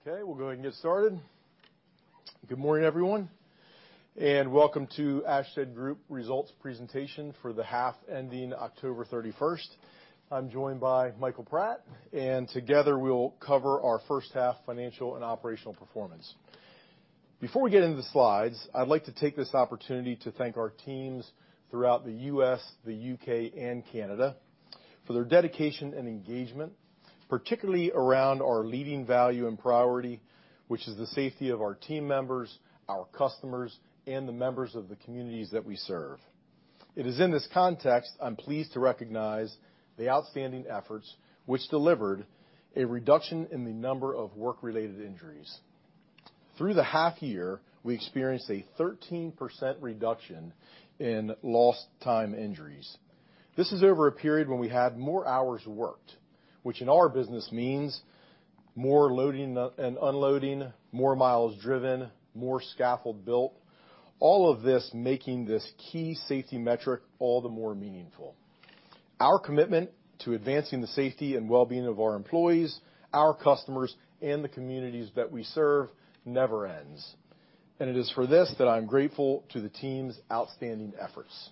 Okay, we'll go ahead and get started. Good morning, everyone, welcome to Ashtead Group results presentation for the half ending October 31st. I'm joined by Michael Pratt, together we'll cover our first half financial and operational performance. Before we get into the slides, I'd like to take this opportunity to thank our teams throughout the U.S., the U.K., and Canada for their dedication and engagement, particularly around our leading value and priority, which is the safety of our team members, our customers, and the members of the communities that we serve. It is in this context, I'm pleased to recognize the outstanding efforts which delivered a reduction in the number of work-related injuries. Through the half year, we experienced a 13% reduction in lost time injuries. This is over a period when we had more hours worked, which in our business means more loading and unloading, more miles driven, more scaffold built, all of this making this key safety metric all the more meaningful. Our commitment to advancing the safety and wellbeing of our employees, our customers, and the communities that we serve never ends, and it is for this that I am grateful to the team's outstanding efforts.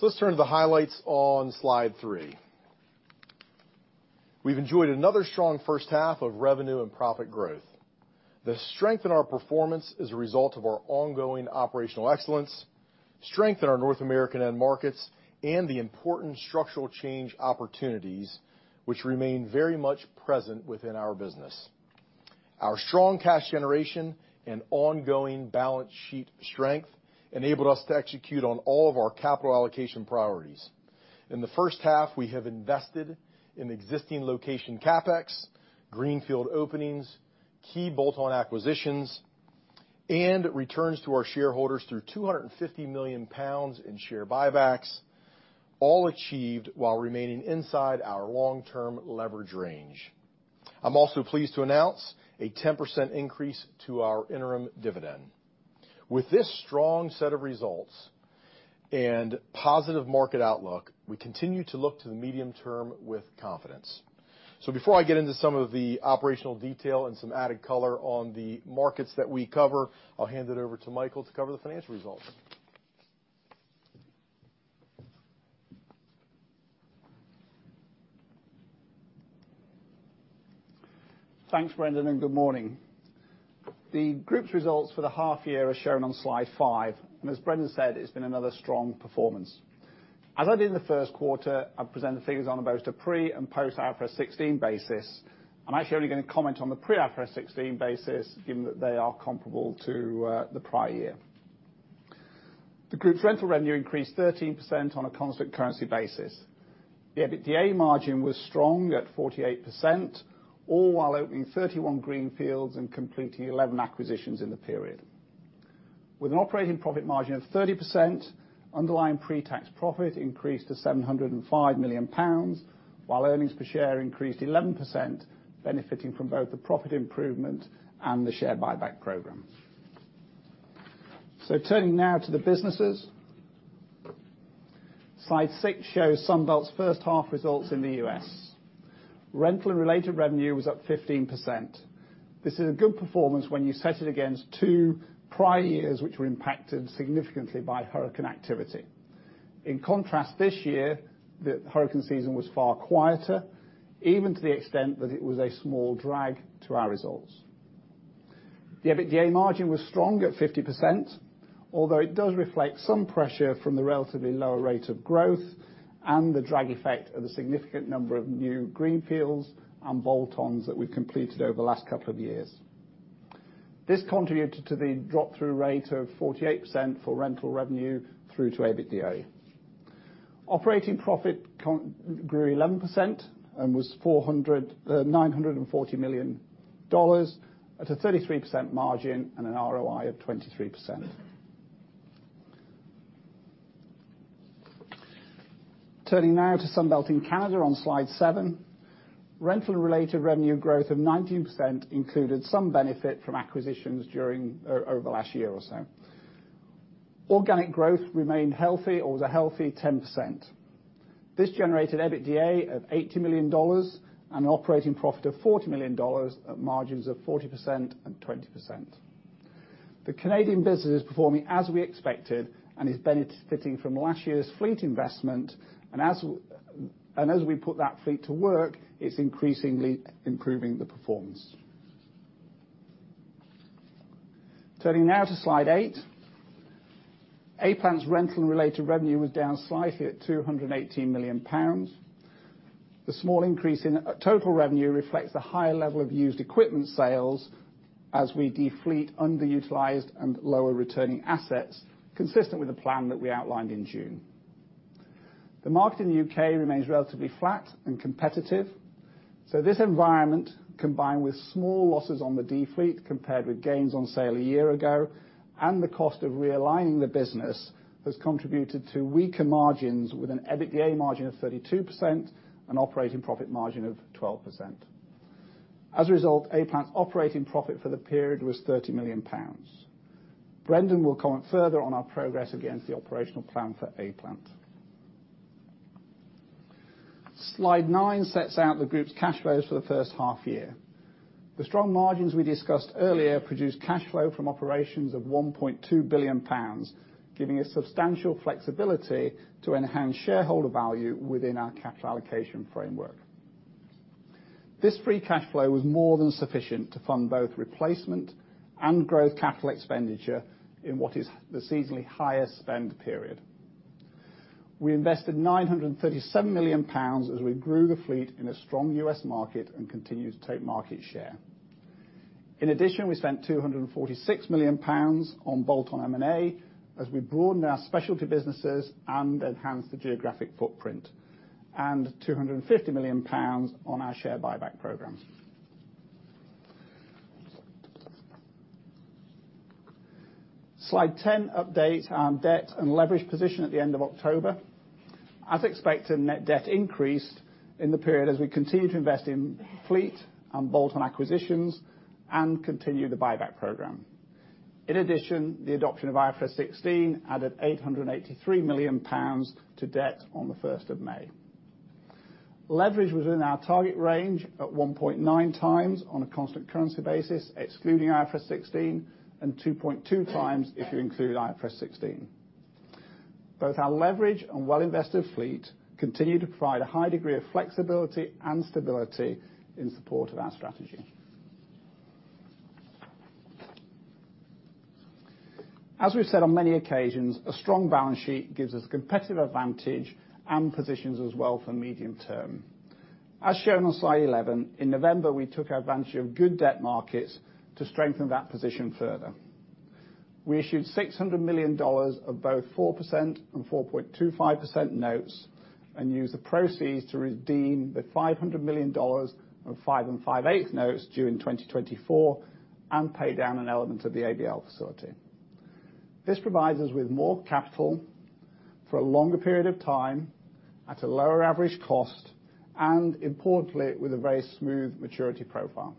Let's turn to the highlights on slide three. We've enjoyed another strong first half of revenue and profit growth. The strength in our performance is a result of our ongoing operational excellence, strength in our North American end markets, and the important structural change opportunities which remain very much present within our business. Our strong cash generation and ongoing balance sheet strength enabled us to execute on all of our capital allocation priorities. In the first half, we have invested in existing location CapEx, greenfield openings, key bolt-on acquisitions, and returns to our shareholders through 250 million pounds in share buybacks, all achieved while remaining inside our long-term leverage range. I'm also pleased to announce a 10% increase to our interim dividend. With this strong set of results and positive market outlook, we continue to look to the medium term with confidence. Before I get into some of the operational detail and some added color on the markets that we cover, I'll hand it over to Michael to cover the financial results. Thanks, Brendan, good morning. The group's results for the half year are shown on slide five, and as Brendan said, it's been another strong performance. As I did in the first quarter, I present the figures on both the pre and post IFRS 16 basis. I'm actually only going to comment on the pre IFRS 16 basis given that they are comparable to the prior year. The group's rental revenue increased 13% on a constant currency basis. The EBITDA margin was strong at 48%, all while opening 31 greenfields and completing 11 acquisitions in the period. With an operating profit margin of 30%, underlying pre-tax profit increased to 705 million pounds, while earnings per share increased 11%, benefiting from both the profit improvement and the share buyback program. Turning now to the businesses. Slide six shows Sunbelt's first half results in the U.S. Rental and related revenue was up 15%. This is a good performance when you set it against two prior years, which were impacted significantly by hurricane activity. In contrast, this year, the hurricane season was far quieter, even to the extent that it was a small drag to our results. The EBITDA margin was strong at 50%, although it does reflect some pressure from the relatively lower rate of growth and the drag effect of the significant number of new greenfields and bolt-ons that we've completed over the last couple of years. This contributed to the drop-through rate of 48% for rental revenue through to EBITDA. Operating profit grew 11% and was $940 million at a 33% margin and an ROI of 23%. Turning now to Sunbelt in Canada on slide seven. Rental and related revenue growth of 19% included some benefit from acquisitions over the last year or so. Organic growth remained healthy or was a healthy 10%. This generated EBITDA of 80 million dollars and an operating profit of 40 million dollars at margins of 40% and 20%. The Canadian business is performing as we expected and is benefiting from last year's fleet investment. As we put that fleet to work, it's increasingly improving the performance. Turning now to slide eight. A-Plant's rental and related revenue was down slightly at 218 million pounds. The small increase in total revenue reflects the higher level of used equipment sales as we defleet underutilized and lower returning assets, consistent with the plan that we outlined in June. The market in the U.K. remains relatively flat and competitive. This environment, combined with small losses on the defleet compared with gains on sale a year ago, and the cost of realigning the business, has contributed to weaker margins with an EBITDA margin of 32% and operating profit margin of 12%. As a result, A-Plant operating profit for the period was 30 million pounds. Brendan will comment further on our progress against the operational plan for A-Plant. Slide nine sets out the group's cash flows for the first half year. The strong margins we discussed earlier produced cash flow from operations of 1.2 billion pounds, giving us substantial flexibility to enhance shareholder value within our capital allocation framework. This free cash flow was more than sufficient to fund both replacement and growth capital expenditure in what is the seasonally highest spend period. We invested 937 million pounds as we grew the fleet in a strong U.S. market and continue to take market share. In addition, we spent 246 million pounds on bolt-on M&A as we broadened our specialty businesses and enhanced the geographic footprint, and 250 million pounds on our share buyback program. Slide 10 updates our debt and leverage position at the end of October. As expected, net debt increased in the period as we continue to invest in fleet and bolt-on acquisitions and continue the buyback program. In addition, the adoption of IFRS 16 added 883 million pounds to debt on the 1st of May. Leverage was in our target range at 1.9x on a constant currency basis, excluding IFRS 16, and 2.2x if you include IFRS 16. Both our leverage and well-invested fleet continue to provide a high degree of flexibility and stability in support of our strategy. As we've said on many occasions, a strong balance sheet gives us competitive advantage and positions us well for medium term. As shown on slide 11, in November, we took advantage of good debt markets to strengthen that position further. We issued $600 million of both 4% and 4.25% notes and used the proceeds to redeem the $500 million of five and 5/8 notes due in 2024 and pay down an element of the ABL facility. This provides us with more capital for a longer period of time at a lower average cost and importantly, with a very smooth maturity profile.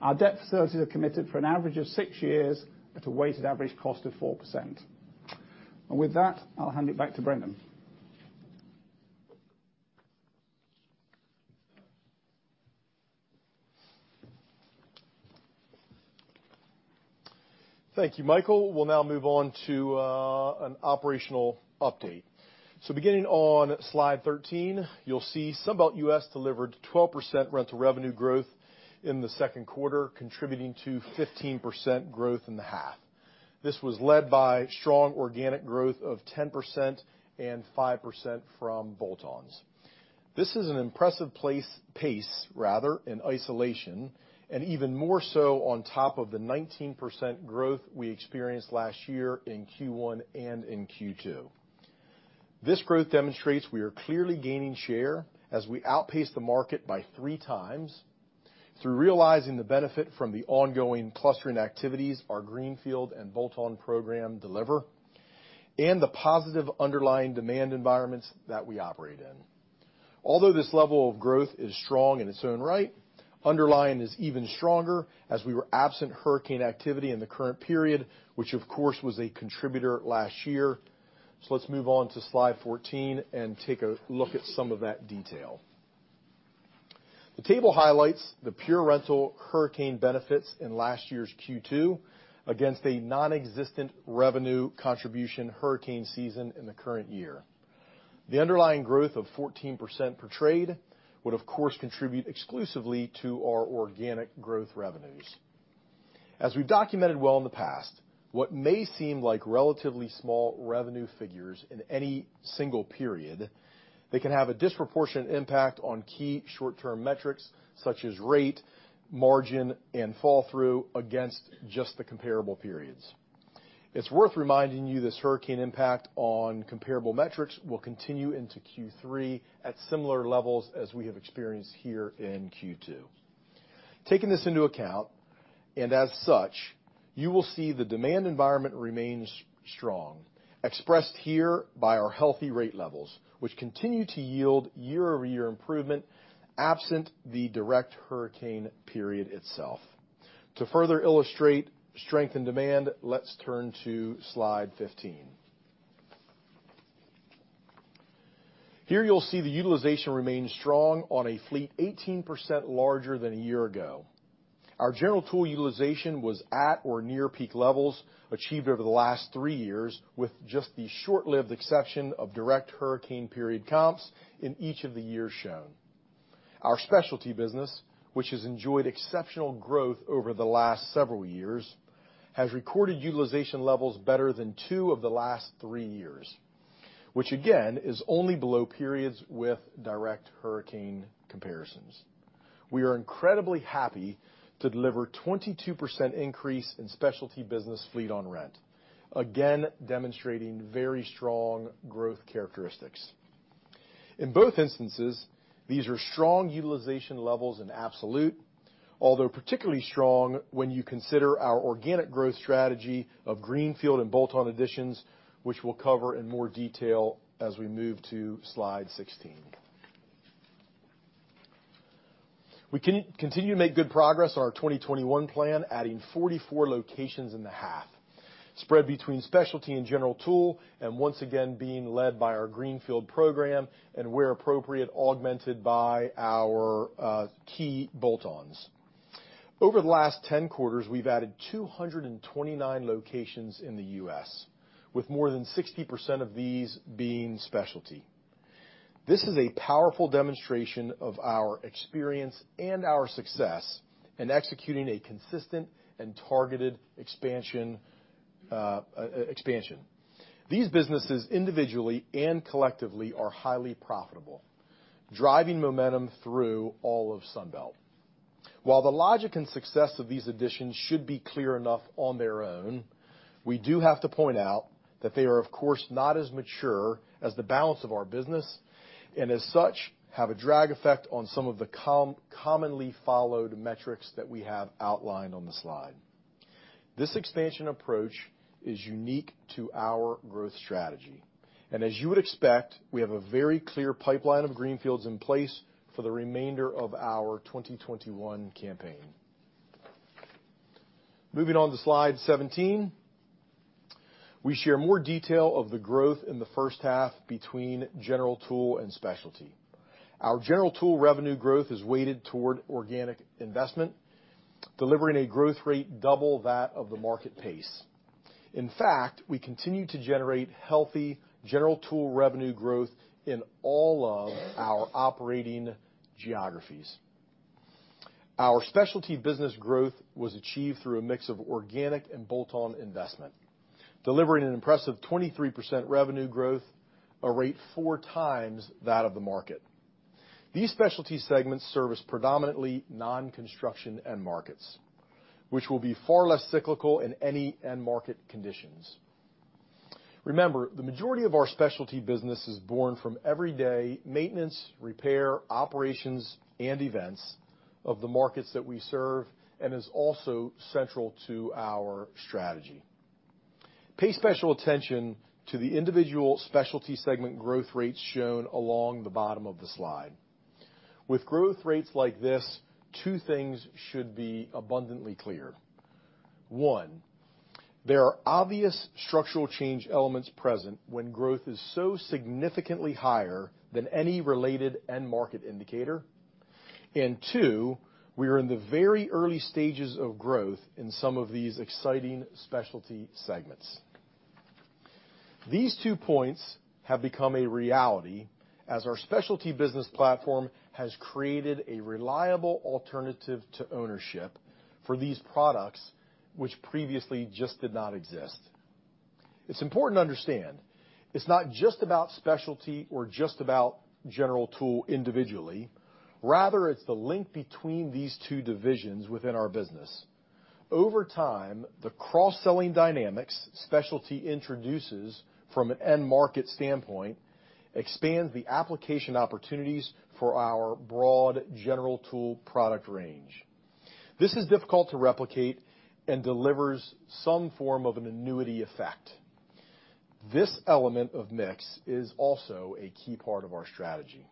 Our debt facilities are committed for an average of six years at a weighted average cost of 4%. With that, I'll hand it back to Brendan. Thank you, Michael. We'll now move on to an operational update. Beginning on slide 13, you'll see Sunbelt U.S. delivered 12% rental revenue growth in the second quarter, contributing to 15% growth in the half. This was led by strong organic growth of 10% and 5% from bolt-ons. This is an impressive place, pace rather, in isolation, and even more so on top of the 19% growth we experienced last year in Q1 and in Q2. This growth demonstrates we are clearly gaining share as we outpace the market by three times through realizing the benefit from the ongoing clustering activities our greenfield and bolt-on program deliver and the positive underlying demand environments that we operate in. Although this level of growth is strong in its own right, underlying is even stronger as we were absent hurricane activity in the current period, which of course, was a contributor last year. Let's move on to slide 14 and take a look at some of that detail. The table highlights the pure rental hurricane benefits in last year's Q2 against a nonexistent revenue contribution hurricane season in the current year. The underlying growth of 14% portrayed would, of course, contribute exclusively to our organic growth revenues. As we documented well in the past, what may seem like relatively small revenue figures in any single period, they can have a disproportionate impact on key short-term metrics such as rate, margin, and fall through against just the comparable periods. It's worth reminding you this hurricane impact on comparable metrics will continue into Q3 at similar levels as we have experienced here in Q2. Taking this into account, and as such, you will see the demand environment remains strong, expressed here by our healthy rate levels, which continue to yield year-over-year improvement absent the direct hurricane period itself. To further illustrate strength in demand, let's turn to slide 15. Here you'll see the utilization remains strong on a fleet 18% larger than a year ago. Our general tool utilization was at or near peak levels achieved over the last three years with just the short-lived exception of direct hurricane period comps in each of the years shown. Our specialty business, which has enjoyed exceptional growth over the last several years, has recorded utilization levels better than two of the last three years, which again, is only below periods with direct hurricane comparisons. We are incredibly happy to deliver 22% increase in specialty business fleet on rent, again demonstrating very strong growth characteristics. In both instances, these are strong utilization levels in absolute. Although particularly strong when you consider our organic growth strategy of greenfield and bolt-on additions, which we'll cover in more detail as we move to slide 16. We continue to make good progress on our 2021 plan, adding 44 locations in the half, spread between specialty and general tool, and once again being led by our greenfield program, and where appropriate, augmented by our key bolt-ons. Over the last 10 quarters, we've added 229 locations in the U.S., with more than 60% of these being specialty. This is a powerful demonstration of our experience and our success in executing a consistent and targeted expansion. These businesses, individually and collectively, are highly profitable, driving momentum through all of Sunbelt. While the logic and success of these additions should be clear enough on their own, we do have to point out that they are, of course, not as mature as the balance of our business, and as such, have a drag effect on some of the commonly followed metrics that we have outlined on the slide. This expansion approach is unique to our growth strategy. As you would expect, we have a very clear pipeline of greenfields in place for the remainder of our 2021 campaign. Moving on to slide 17. We share more detail of the growth in the first half between general tool and specialty. Our general tool revenue growth is weighted toward organic investment, delivering a growth rate double that of the market pace. In fact, we continue to generate healthy general tool revenue growth in all of our operating geographies. Our specialty business growth was achieved through a mix of organic and bolt-on investment, delivering an impressive 23% revenue growth, a rate four times that of the market. These specialty segments service predominantly non-construction end markets, which will be far less cyclical in any end market conditions. Remember, the majority of our specialty business is born from everyday maintenance, repair, operations, and events of the markets that we serve and is also central to our strategy. Pay special attention to the individual specialty segment growth rates shown along the bottom of the slide. With growth rates like this, two things should be abundantly clear. One, there are obvious structural change elements present when growth is so significantly higher than any related end market indicator. Two, we are in the very early stages of growth in some of these exciting specialty segments. These two points have become a reality as our specialty business platform has created a reliable alternative to ownership for these products, which previously just did not exist. It's important to understand, it's not just about specialty or just about general tool individually. Rather, it's the link between these two divisions within our business. Over time, the cross-selling dynamics specialty introduces from an end market standpoint expands the application opportunities for our broad general tool product range. This is difficult to replicate and delivers some form of an annuity effect. This element of mix is also a key part of our strategy.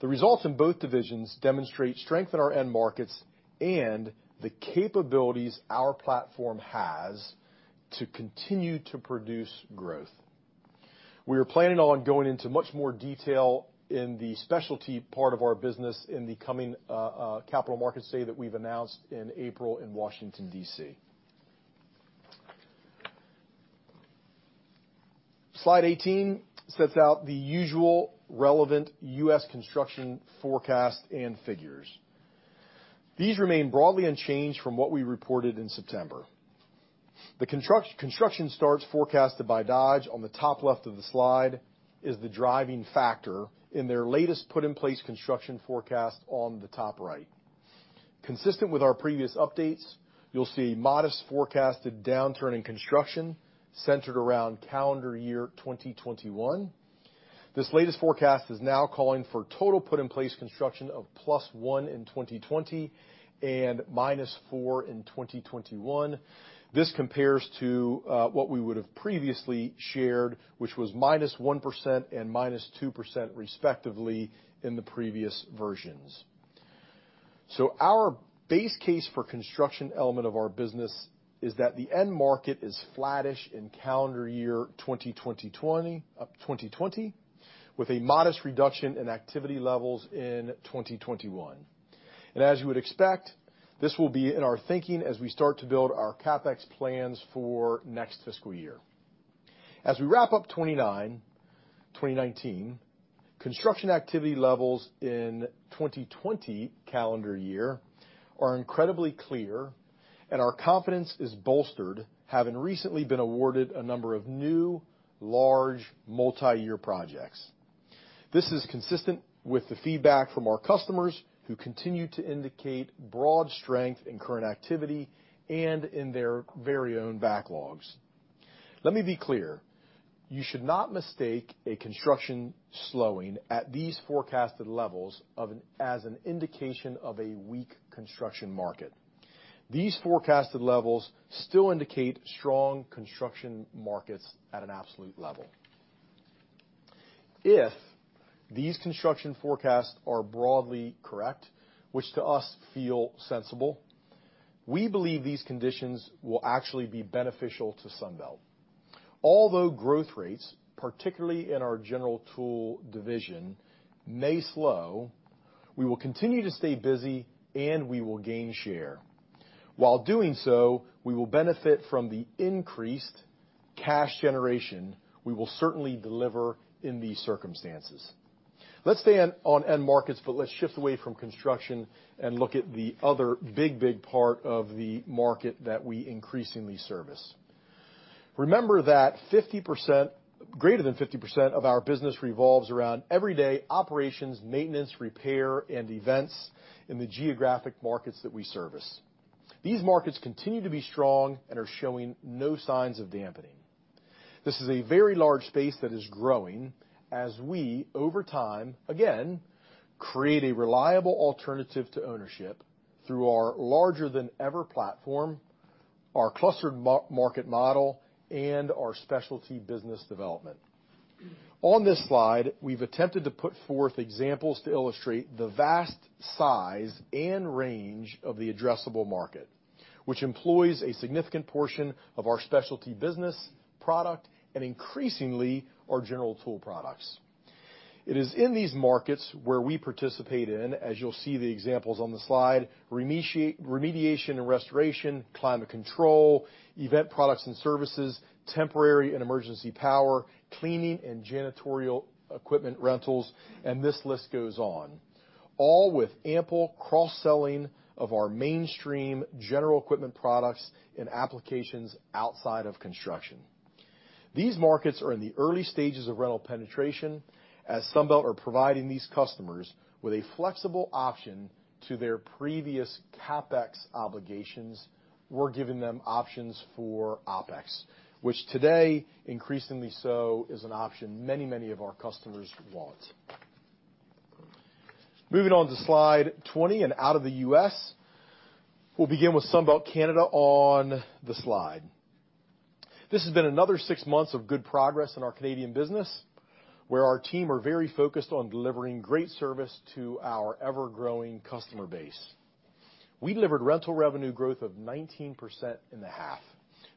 The results in both divisions demonstrate strength in our end markets and the capabilities our platform has to continue to produce growth. We are planning on going into much more detail in the specialty part of our business in the coming capital markets day that we've announced in April in Washington, D.C. Slide 18 sets out the usual relevant U.S. construction forecast and figures. These remain broadly unchanged from what we reported in September. The construction starts forecasted by Dodge on the top left of the slide is the driving factor in their latest put-in-place construction forecast on the top right. Consistent with our previous updates, you'll see a modest forecasted downturn in construction centered around calendar year 2021. This latest forecast is now calling for total put-in-place construction of +1% in 2020 and -4% in 2021. This compares to what we would have previously shared, which was -1% and -2% respectively in the previous versions. Our base case for construction element of our business is that the end market is flattish in calendar year 2020 with a modest reduction in activity levels in 2021. As you would expect, this will be in our thinking as we start to build our CapEx plans for next fiscal year. As we wrap up 2019, construction activity levels in 2020 calendar year are incredibly clear, and our confidence is bolstered, having recently been awarded a number of new, large, multi-year projects. This is consistent with the feedback from our customers, who continue to indicate broad strength in current activity and in their very own backlogs. Let me be clear. You should not mistake a construction slowing at these forecasted levels as an indication of a weak construction market. These forecasted levels still indicate strong construction markets at an absolute level. If these construction forecasts are broadly correct, which to us feel sensible, we believe these conditions will actually be beneficial to Sunbelt. Although growth rates, particularly in our general tool division, may slow, we will continue to stay busy and we will gain share. While doing so, we will benefit from the increased cash generation we will certainly deliver in these circumstances. Let's stay on end markets, but let's shift away from construction and look at the other big part of the market that we increasingly service. Remember that greater than 50% of our business revolves around everyday operations, maintenance, repair, and events in the geographic markets that we service. These markets continue to be strong and are showing no signs of dampening. This is a very large space that is growing as we, over time, again, create a reliable alternative to ownership through our larger-than-ever platform, our clustered market model, and our specialty business development. On this slide, we've attempted to put forth examples to illustrate the vast size and range of the addressable market, which employs a significant portion of our specialty business product and increasingly, our general tool products. It is in these markets where we participate in, as you'll see the examples on the slide, remediation and restoration, climate control, event products and services, temporary and emergency power, cleaning and janitorial equipment rentals, and this list goes on. All with ample cross-selling of our mainstream general equipment products in applications outside of construction. These markets are in the early stages of rental penetration as Sunbelt are providing these customers with a flexible option to their previous CapEx obligations. We're giving them options for OpEx, which today, increasingly so, is an option many of our customers want. Moving on to slide 20 and out of the U.S. We'll begin with Sunbelt Canada on the slide. This has been another six months of good progress in our Canadian business, where our team are very focused on delivering great service to our ever-growing customer base. We delivered rental revenue growth of 19% in the half.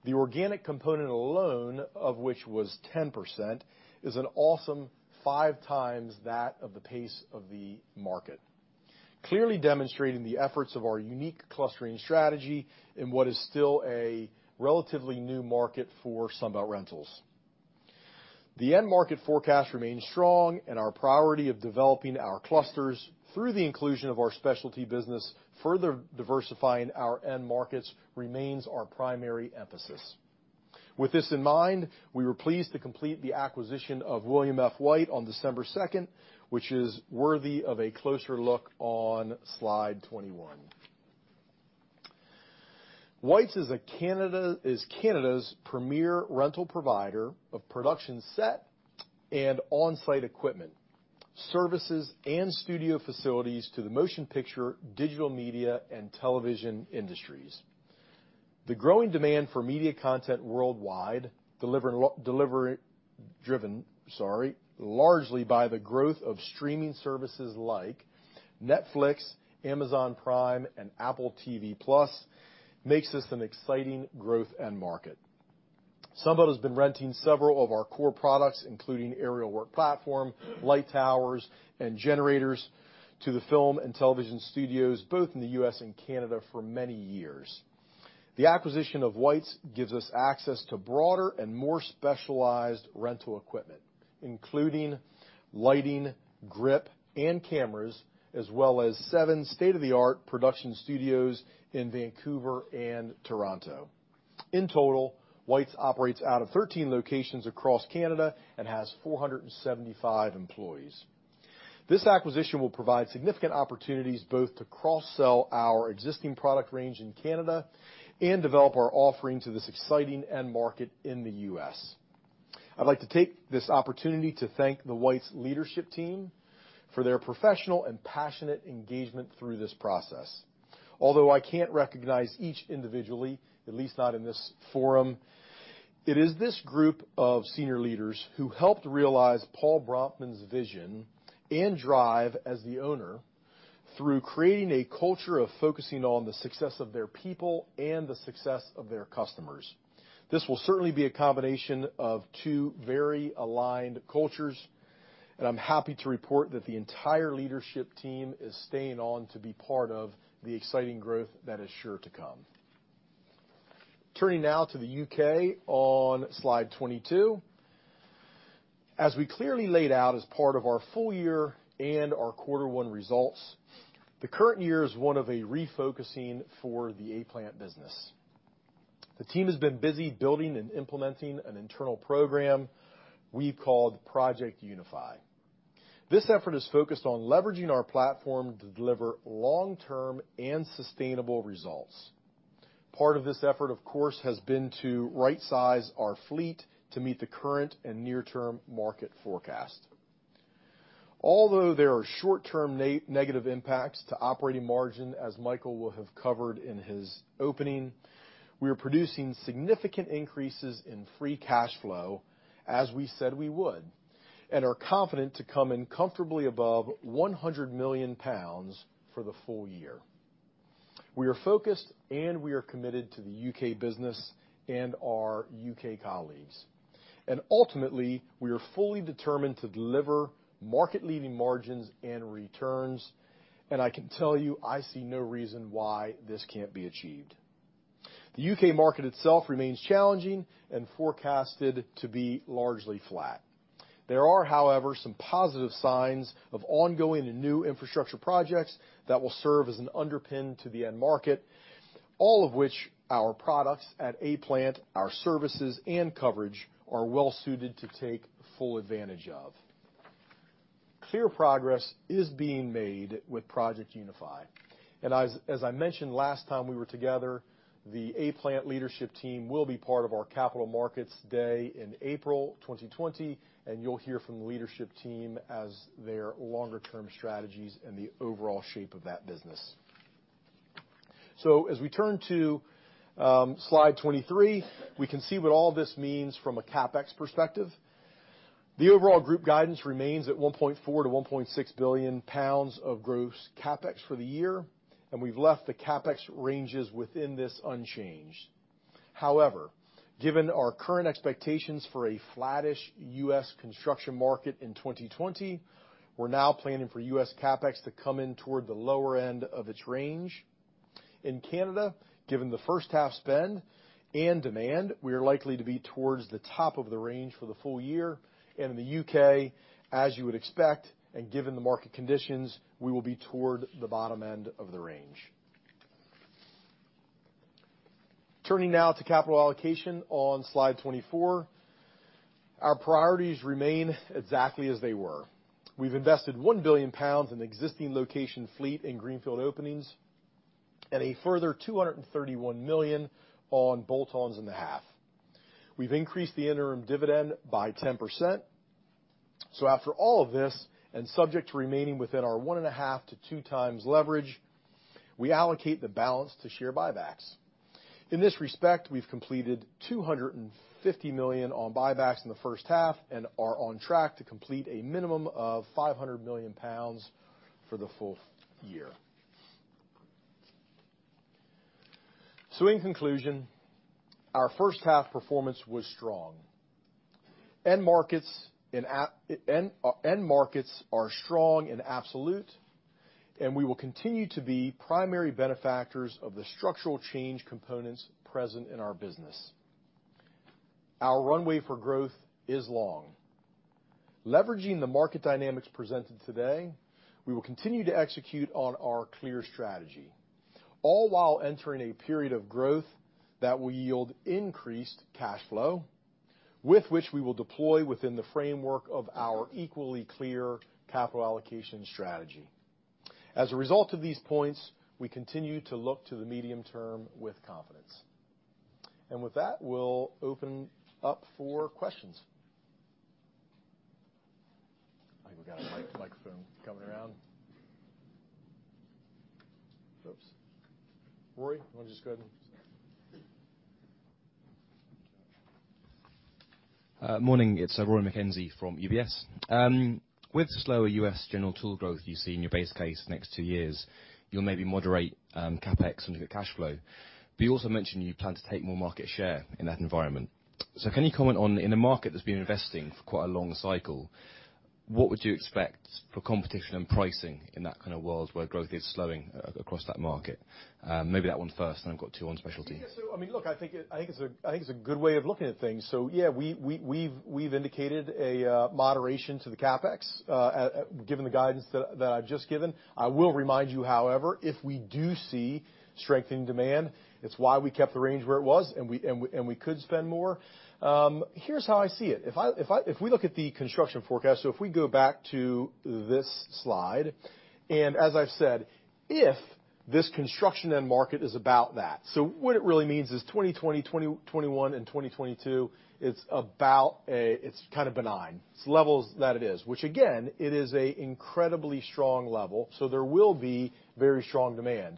The organic component alone, of which was 10%, is an awesome five times that of the pace of the market. Clearly demonstrating the efforts of our unique clustering strategy in what is still a relatively new market for Sunbelt Rentals. The end market forecast remains strong and our priority of developing our clusters through the inclusion of our specialty business, further diversifying our end markets, remains our primary emphasis. With this in mind, we were pleased to complete the acquisition of William F. White on December 2nd, which is worthy of a closer look on slide 21. White's is Canada's premier rental provider of production set and on-site equipment, services and studio facilities to the motion picture, digital media, and television industries. The growing demand for media content worldwide, driven largely by the growth of streaming services like Netflix, Amazon Prime, and Apple TV+, makes this an exciting growth end market. Sunbelt has been renting several of our core products, including aerial work platform, light towers, and generators to the film and television studios, both in the U.S. and Canada for many years. The acquisition of White's gives us access to broader and more specialized rental equipment, including lighting, grip and cameras, as well as seven state-of-the-art production studios in Vancouver and Toronto. In total, White's operates out of 13 locations across Canada and has 475 employees. This acquisition will provide significant opportunities both to cross-sell our existing product range in Canada and develop our offering to this exciting end market in the U.S. I'd like to take this opportunity to thank the White's leadership team for their professional and passionate engagement through this process. Although I can't recognize each individually, at least not in this forum, it is this group of senior leaders who helped realize Paul Bronfman's vision and drive as the owner through creating a culture of focusing on the success of their people and the success of their customers. This will certainly be a combination of two very aligned cultures, and I'm happy to report that the entire leadership team is staying on to be part of the exciting growth that is sure to come. Turning now to the U.K. on slide 22. As we clearly laid out as part of our full year and our quarter one results, the current year is one of a refocusing for the A-Plant business. The team has been busy building and implementing an internal program we've called Project Unify. This effort is focused on leveraging our platform to deliver long-term and sustainable results. Part of this effort, of course, has been to right-size our fleet to meet the current and near-term market forecast. Although there are short-term negative impacts to operating margin, as Michael will have covered in his opening, we are producing significant increases in free cash flow as we said we would, and are confident to come in comfortably above 100 million pounds for the full year. We are focused and we are committed to the U.K. business and our U.K. colleagues. Ultimately, we are fully determined to deliver market-leading margins and returns. I can tell you, I see no reason why this can't be achieved. The U.K. market itself remains challenging and forecasted to be largely flat. There are, however, some positive signs of ongoing and new infrastructure projects that will serve as an underpin to the end market, all of which our products at A-Plant, our services, and coverage are well suited to take full advantage of. Clear progress is being made with Project Unify. As I mentioned last time we were together, the A-Plant leadership team will be part of our capital markets day in April 2020, and you'll hear from the leadership team as their longer-term strategies and the overall shape of that business. As we turn to slide 23, we can see what all this means from a CapEx perspective. The overall group guidance remains at 1.4 billion-1.6 billion pounds of gross CapEx for the year, and we've left the CapEx ranges within this unchanged. However, given our current expectations for a flattish U.S. construction market in 2020, we're now planning for U.S. CapEx to come in toward the lower end of its range. In Canada, given the first half spend and demand, we are likely to be towards the top of the range for the full year. In the U.K., as you would expect and given the market conditions, we will be toward the bottom end of the range. Turning now to capital allocation on slide 24. Our priorities remain exactly as they were. We've invested 1 billion pounds in existing location fleet and greenfield openings, and a further 231 million on bolt-ons in the half. We've increased the interim dividend by 10%. After all of this, and subject to remaining within our 1.5-2x leverage, we allocate the balance to share buybacks. In this respect, we've completed 250 million on buybacks in the first half and are on track to complete a minimum of 500 million pounds for the full year. In conclusion, our first half performance was strong. End markets are strong in absolute, and we will continue to be primary benefactors of the structural change components present in our business. Our runway for growth is long. Leveraging the market dynamics presented today, we will continue to execute on our clear strategy, all while entering a period of growth that will yield increased cash flow, with which we will deploy within the framework of our equally clear capital allocation strategy. As a result of these points, we continue to look to the medium term with confidence. With that, we'll open up for questions. I think we've got a microphone coming around. Oops. Rory, want to just go ahead and Morning, it's Rory McKenzie from UBS. With the slower U.S. general tool growth you see in your base case the next two years, you'll maybe moderate CapEx and look at cash flow. You also mentioned you plan to take more market share in that environment. Can you comment on, in a market that's been investing for quite a long cycle, what would you expect for competition and pricing in that kind of world where growth is slowing across that market? Maybe that one first, then I've got two on specialty. Yeah. I think it's a good way of looking at things. We've indicated a moderation to the CapEx, given the guidance that I've just given. I will remind you, however, if we do see strengthening demand, it's why we kept the range where it was, and we could spend more. Here's how I see it. If we look at the construction forecast, if we go back to this slide, and as I've said, if this construction end market is about that. What it really means is 2020, 2021, and 2022, it's kind of benign. It's levels that it is, which again, it is a incredibly strong level, so there will be very strong demand.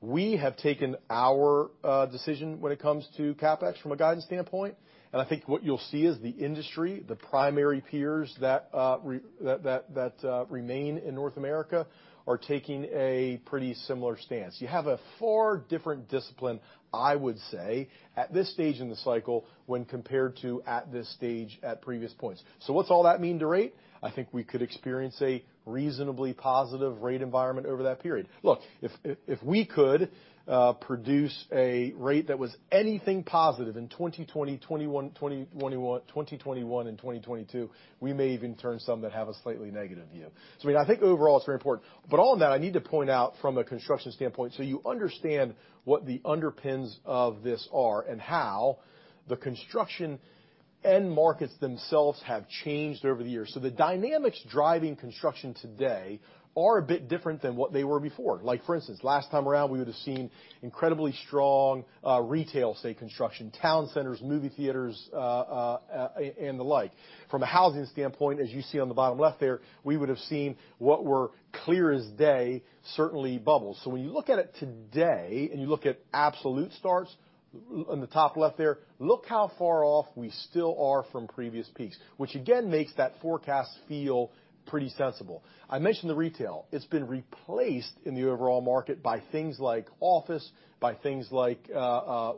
We have taken our decision when it comes to CapEx from a guidance standpoint. I think what you'll see is the industry, the primary peers that remain in North America are taking a pretty similar stance. You have a far different discipline, I would say, at this stage in the cycle when compared to at this stage at previous points. What's all that mean to rate? I think we could experience a reasonably positive rate environment over that period. Look, if we could produce a rate that was anything positive in 2020, 2021, and 2022, we may even turn some that have a slightly negative view. I think overall it's very important. All in that, I need to point out from a construction standpoint, so you understand what the underpins of this are and how the construction end markets themselves have changed over the years. The dynamics driving construction today are a bit different than what they were before. Like for instance, last time around, we would've seen incredibly strong retail, say, construction, town centers, movie theaters, and the like. From a housing standpoint, as you see on the bottom left there, we would've seen what were clear-as-day, certainly, bubbles. When you look at it today, and you look at absolute starts on the top left there, look how far off we still are from previous peaks, which again, makes that forecast feel pretty sensible. I mentioned the retail. It's been replaced in the overall market by things like office, by things like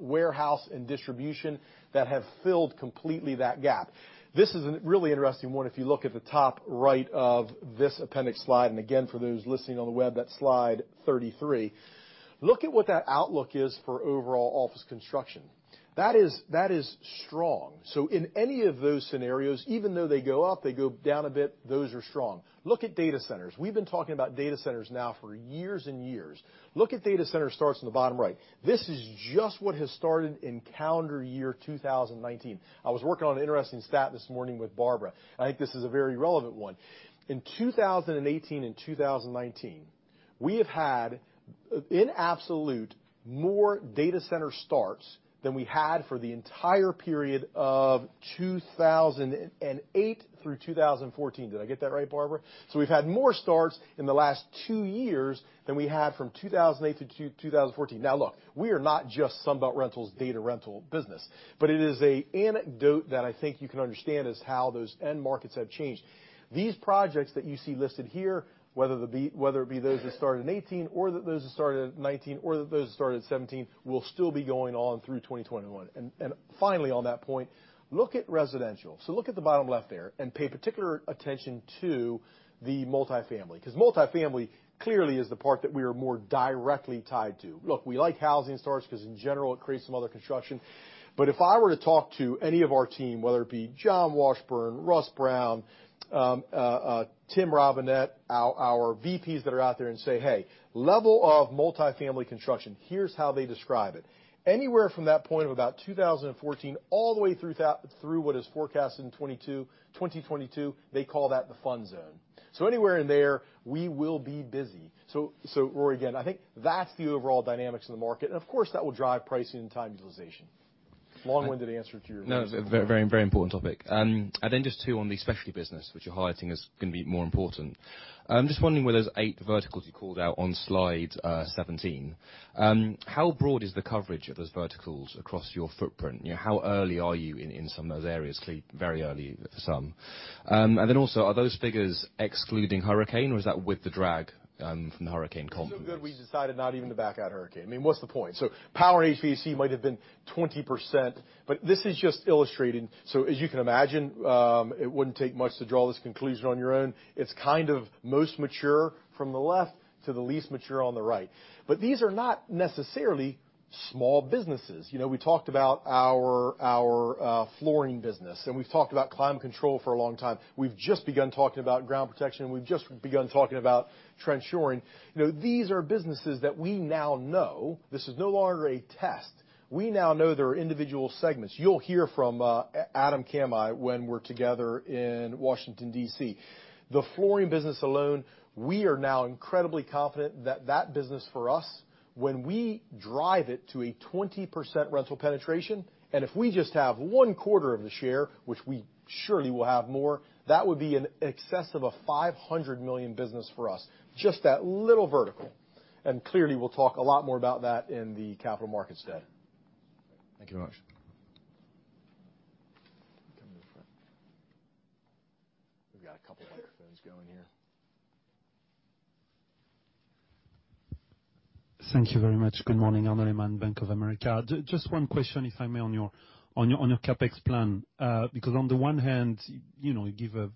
warehouse and distribution that have filled completely that gap. This is a really interesting one if you look at the top right of this appendix slide, and again, for those listening on the web, that's slide 33. Look at what that outlook is for overall office construction. That is strong. In any of those scenarios, even though they go up, they go down a bit, those are strong. Look at data centers. We've been talking about data centers now for years and years. Look at data center starts in the bottom right. This is just what has started in calendar year 2019. I was working on an interesting stat this morning with Barbara. I think this is a very relevant one. In 2018 and 2019, we have had, in absolute, more data center starts than we had for the entire period of 2008 through 2014. Did I get that right, Barbara? We've had more starts in the last two years than we had from 2008-2014. Look, we are not just Sunbelt Rentals data rental business, but it is an anecdote that I think you can understand as how those end markets have changed. These projects that you see listed here, whether it be those that started in 2018 or those that started in 2019, or those that started in 2017, will still be going on through 2021. Finally on that point, look at residential. Look at the bottom left there and pay particular attention to the multifamily, because multifamily clearly is the part that we are more directly tied to. Look, we like housing starts because in general, it creates some other construction. If I were to talk to any of our team, whether it be John Washburn, Russ Brown, Tim Robinette, our VPs that are out there and say, "Hey, level of multifamily construction," here's how they describe it. Anywhere from that point of about 2014 all the way through what is forecasted in '22, 2022, they call that the fun zone. Anywhere in there, we will be busy. Rory, again, I think that's the overall dynamics in the market, and of course that will drive pricing and time utilization. Long-winded answer to your- No. Very important topic. Just two on the specialty business, which you're highlighting is going to be more important. I'm just wondering where those eight verticals you called out on slide 17. How broad is the coverage of those verticals across your footprint? How early are you in some of those areas? Clearly very early for some. Also, are those figures excluding hurricane or is that with the drag from the hurricane confluence? It's so good we decided not even to back out hurricane. I mean, what's the point? Power HVAC might have been 20%, this is just illustrating. As you can imagine, it wouldn't take much to draw this conclusion on your own. It's kind of most mature from the left to the least mature on the right. These are not necessarily small businesses. We talked about our flooring business, and we've talked about climate control for a long time. We've just begun talking about ground protection, and we've just begun talking about trench shoring. These are businesses that we now know. This is no longer a test. We now know there are individual segments. You'll hear from Adam Cami when we're together in Washington, D.C. The flooring business alone, we are now incredibly confident that that business for us, when we drive it to a 20% rental penetration, and if we just have one quarter of the share, which we surely will have more, that would be in excess of a 500 million business for us. Just that little vertical. Clearly, we'll talk a lot more about that in the capital markets day. Thank you very much. Come to the front. We've got a couple microphones going here. Thank you very much. Good morning. Arnaud Lehmann, Bank of America. Just one question, if I may, on your CapEx plan. On the one hand, you give a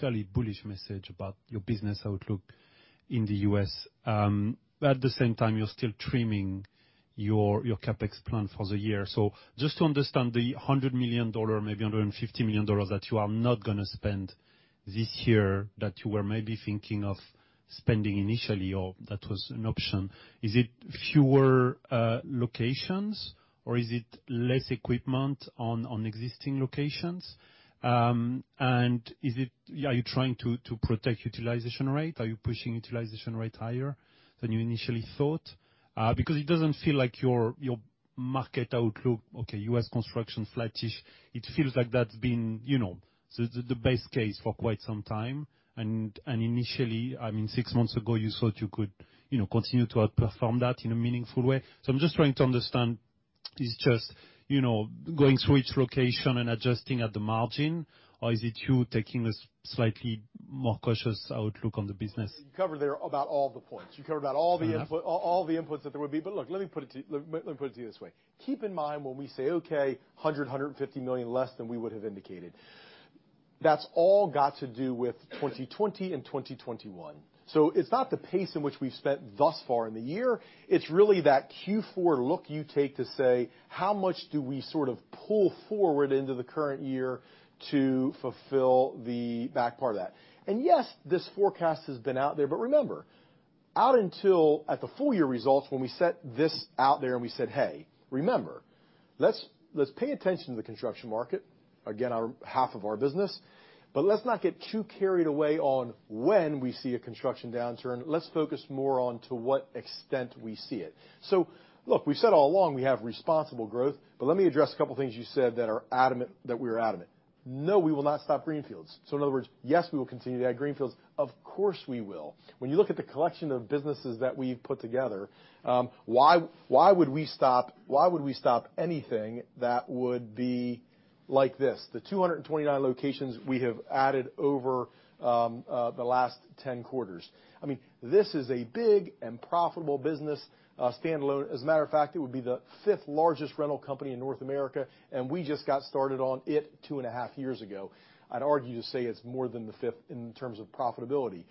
fairly bullish message about your business outlook in the U.S. At the same time, you're still trimming your CapEx plan for the year. Just to understand the $100 million, maybe $150 million that you are not going to spend this year, that you were maybe thinking of spending initially, or that was an option. Is it fewer locations or is it less equipment on existing locations? Are you trying to protect utilization rate? Are you pushing utilization rate higher than you initially thought? It doesn't feel like your market outlook, okay, U.S. construction flattish. It feels like that's been the base case for quite some time. Initially, I mean, six months ago, you thought you could continue to outperform that in a meaningful way. I'm just trying to understand, is it just going through each location and adjusting at the margin? Or is it you taking a slightly more cautious outlook on the business? You covered there about all the points. You covered about all the inputs that there would be. Look, let me put it to you this way. Keep in mind when we say, okay, $100 million, $150 million less than we would have indicated. That's all got to do with 2020 and 2021. It's not the pace in which we've spent thus far in the year. It's really that Q4 look you take to say, how much do we sort of pull forward into the current year to fulfill the back part of that? Yes, this forecast has been out there, remember until at the full year results when we set this out there and we said, "Hey, remember, let's pay attention to the construction market." Again, half of our business. Let's not get too carried away on when we see a construction downturn. Let's focus more on to what extent we see it." Look, we've said all along we have responsible growth, but let me address a couple things you said that we are adamant. No, we will not stop greenfields. In other words, yes, we will continue to add greenfields. Of course, we will. When you look at the collection of businesses that we've put together, why would we stop anything that would be like this? The 229 locations we have added over the last 10 quarters. This is a big and profitable business, standalone. As a matter of fact, it would be the fifth largest rental company in North America, and we just got started on it 2.5 years ago. I'd argue to say it's more than the fifth in terms of profitability.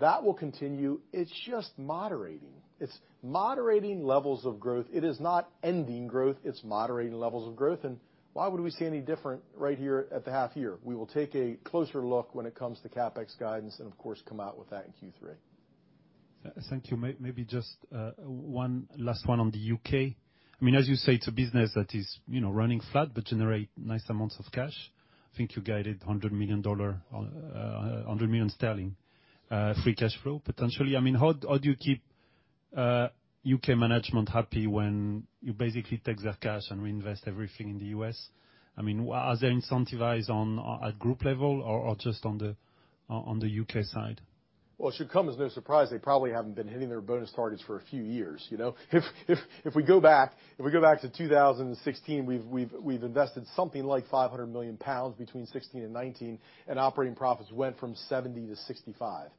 That will continue. It's just moderating. It's moderating levels of growth. It is not ending growth. It's moderating levels of growth. Why would we see any different right here at the half year? We will take a closer look when it comes to CapEx guidance and of course, come out with that in Q3. Thank you. Maybe just one last one on the U.K. As you say, it's a business that is running flat but generate nice amounts of cash. I think you guided $100 million, 100 million sterling, free cash flow potentially. How do you keep U.K. management happy when you basically take their cash and reinvest everything in the U.S.? Are they incentivized on a group level or just on the U.K. side? Well, it should come as no surprise, they probably haven't been hitting their bonus targets for a few years. If we go back to 2016, we've invested something like 500 million pounds between 2016 and 2019, and operating profits went from 70-65.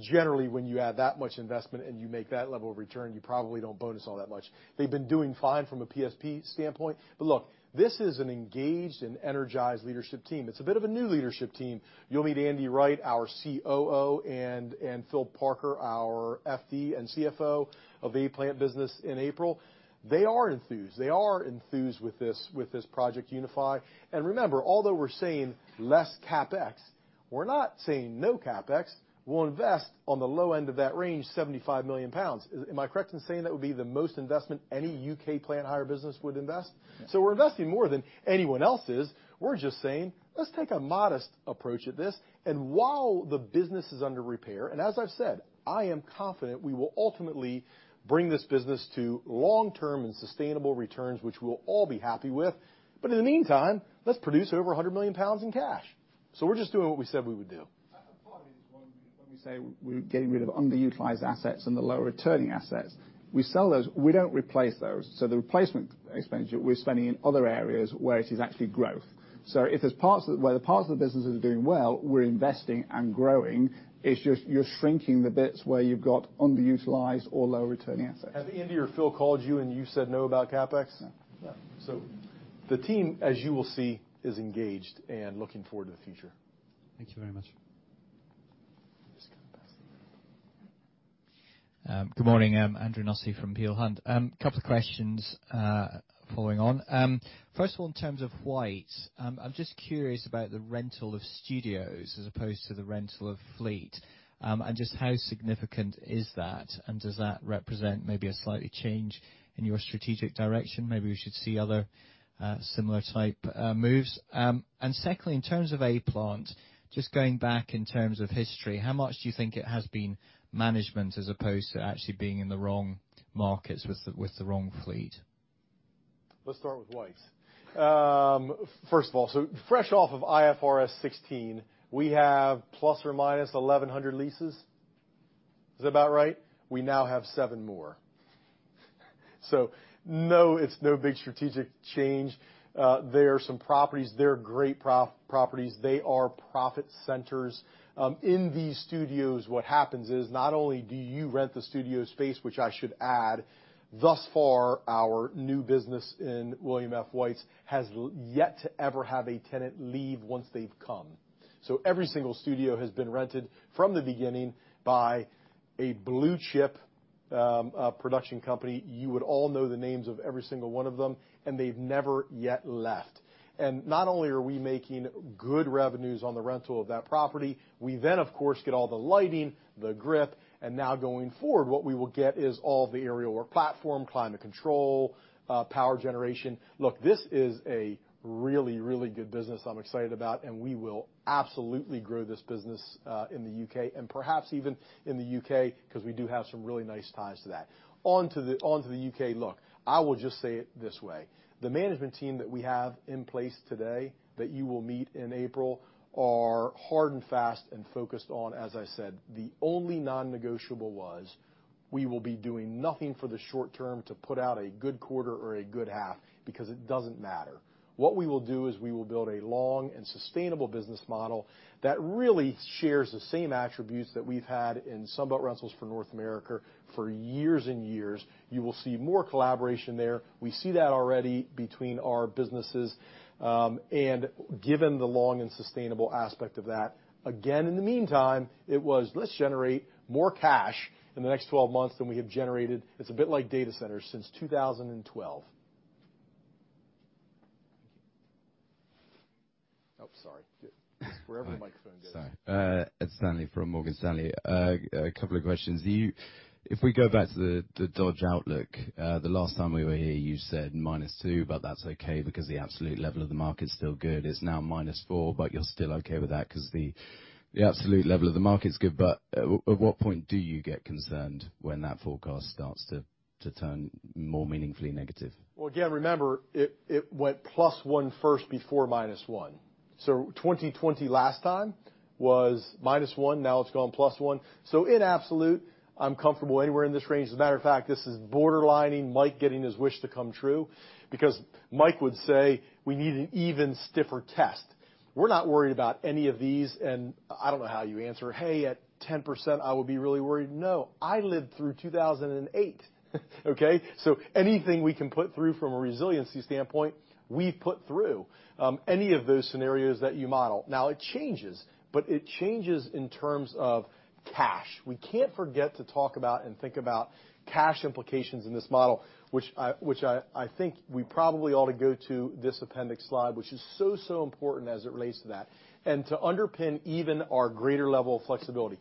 Generally, when you add that much investment and you make that level of return, you probably don't bonus all that much. They've been doing fine from a PSP standpoint, look, this is an engaged and energized leadership team. It's a bit of a new leadership team. You'll meet Andy Wright, our COO, and Phil Parker, our FD and CFO of A-Plant business in April. They are enthused. They are enthused with this Project Unify. Remember, although we're saying less CapEx, we're not saying no CapEx. We'll invest on the low end of that range, 75 million pounds. Am I correct in saying that would be the most investment any U.K. plant hire business would invest? Yeah. We're investing more than anyone else is. We're just saying, "Let's take a modest approach at this." While the business is under repair, and as I've said, I am confident we will ultimately bring this business to long-term and sustainable returns, which we'll all be happy with. In the meantime, let's produce over $100 million in cash. We're just doing what we said we would do. Part of it is when we say we're getting rid of underutilized assets and the lower returning assets, we sell those. We don't replace those. The replacement expenditure, we're spending in other areas where it is actually growth. Where the parts of the business are doing well, we're investing and growing. It's just you're shrinking the bits where you've got underutilized or lower returning assets. Have Andy or Phil called you, and you said no about CapEx? No. The team, as you will see, is engaged and looking forward to the future. Thank you very much. I'm just going to pass it down. Good morning. Andrew Nussey from Peel Hunt. Couple of questions following on. First of all, in terms of White's, I'm just curious about the rental of studios as opposed to the rental of fleet. Just how significant is that, and does that represent maybe a slight change in your strategic direction? Maybe we should see other similar type moves. Secondly, in terms of A-Plant, just going back in terms of history, how much do you think it has been management as opposed to actually being in the wrong markets with the wrong fleet? Let's start with White's. First of all, fresh off of IFRS 16, we have ±1,100 leases. Is that about right? We now have seven more. No, it's no big strategic change. They are some properties. They're great properties. They are profit centers. In these studios, what happens is not only do you rent the studio space, which I should add, thus far, our new business in William F. White's has yet to ever have a tenant leave once they've come. Every single studio has been rented from the beginning by a blue-chip production company. You would all know the names of every single one of them, and they've never yet left. Not only are we making good revenues on the rental of that property, we then, of course, get all the lighting, the grip, and now going forward, what we will get is all the aerial work platform, climate control, power generation. Look, this is a really, really good business I'm excited about, and we will absolutely grow this business in the U.K. and perhaps even in the U.K. because we do have some really nice ties to that. To the U.K. look. I will just say it this way. The management team that we have in place today that you will meet in April are hard and fast and focused on, as I said, the only non-negotiable was we will be doing nothing for the short term to put out a good quarter or a good half because it doesn't matter. What we will do is we will build a long and sustainable business model that really shares the same attributes that we've had in Sunbelt Rentals for North America for years and years. You will see more collaboration there. We see that already between our businesses. Given the long and sustainable aspect of that, again, in the meantime, it was let's generate more cash in the next 12 months than we have generated. It's a bit like data centers since 2012. Just wherever the microphone goes. Sorry. Ed Stanley from Morgan Stanley. A couple of questions. If we go back to the Dodge Outlook, the last time we were here you said minus two, but that's okay because the absolute level of the market's still good. It's now minus four, but you're still okay with that because the absolute level of the market's good. At what point do you get concerned when that forecast starts to turn more meaningfully negative? Well, again, remember, it went +1 first before -1. 2020 last time was -1, now it's gone +1. In absolute, I'm comfortable anywhere in this range. As a matter of fact, this is borderlining Mike getting his wish to come true, because Mike would say, "We need an even stiffer test." We're not worried about any of these, and I don't know how you answer, "Hey, at 10%, I would be really worried." No, I lived through 2008. Okay? Anything we can put through from a resiliency standpoint, we put through, any of those scenarios that you model. Now it changes, but it changes in terms of cash. We can't forget to talk about and think about cash implications in this model, which I think we probably ought to go to this appendix slide, which is so important as it relates to that, and to underpin even our greater level of flexibility.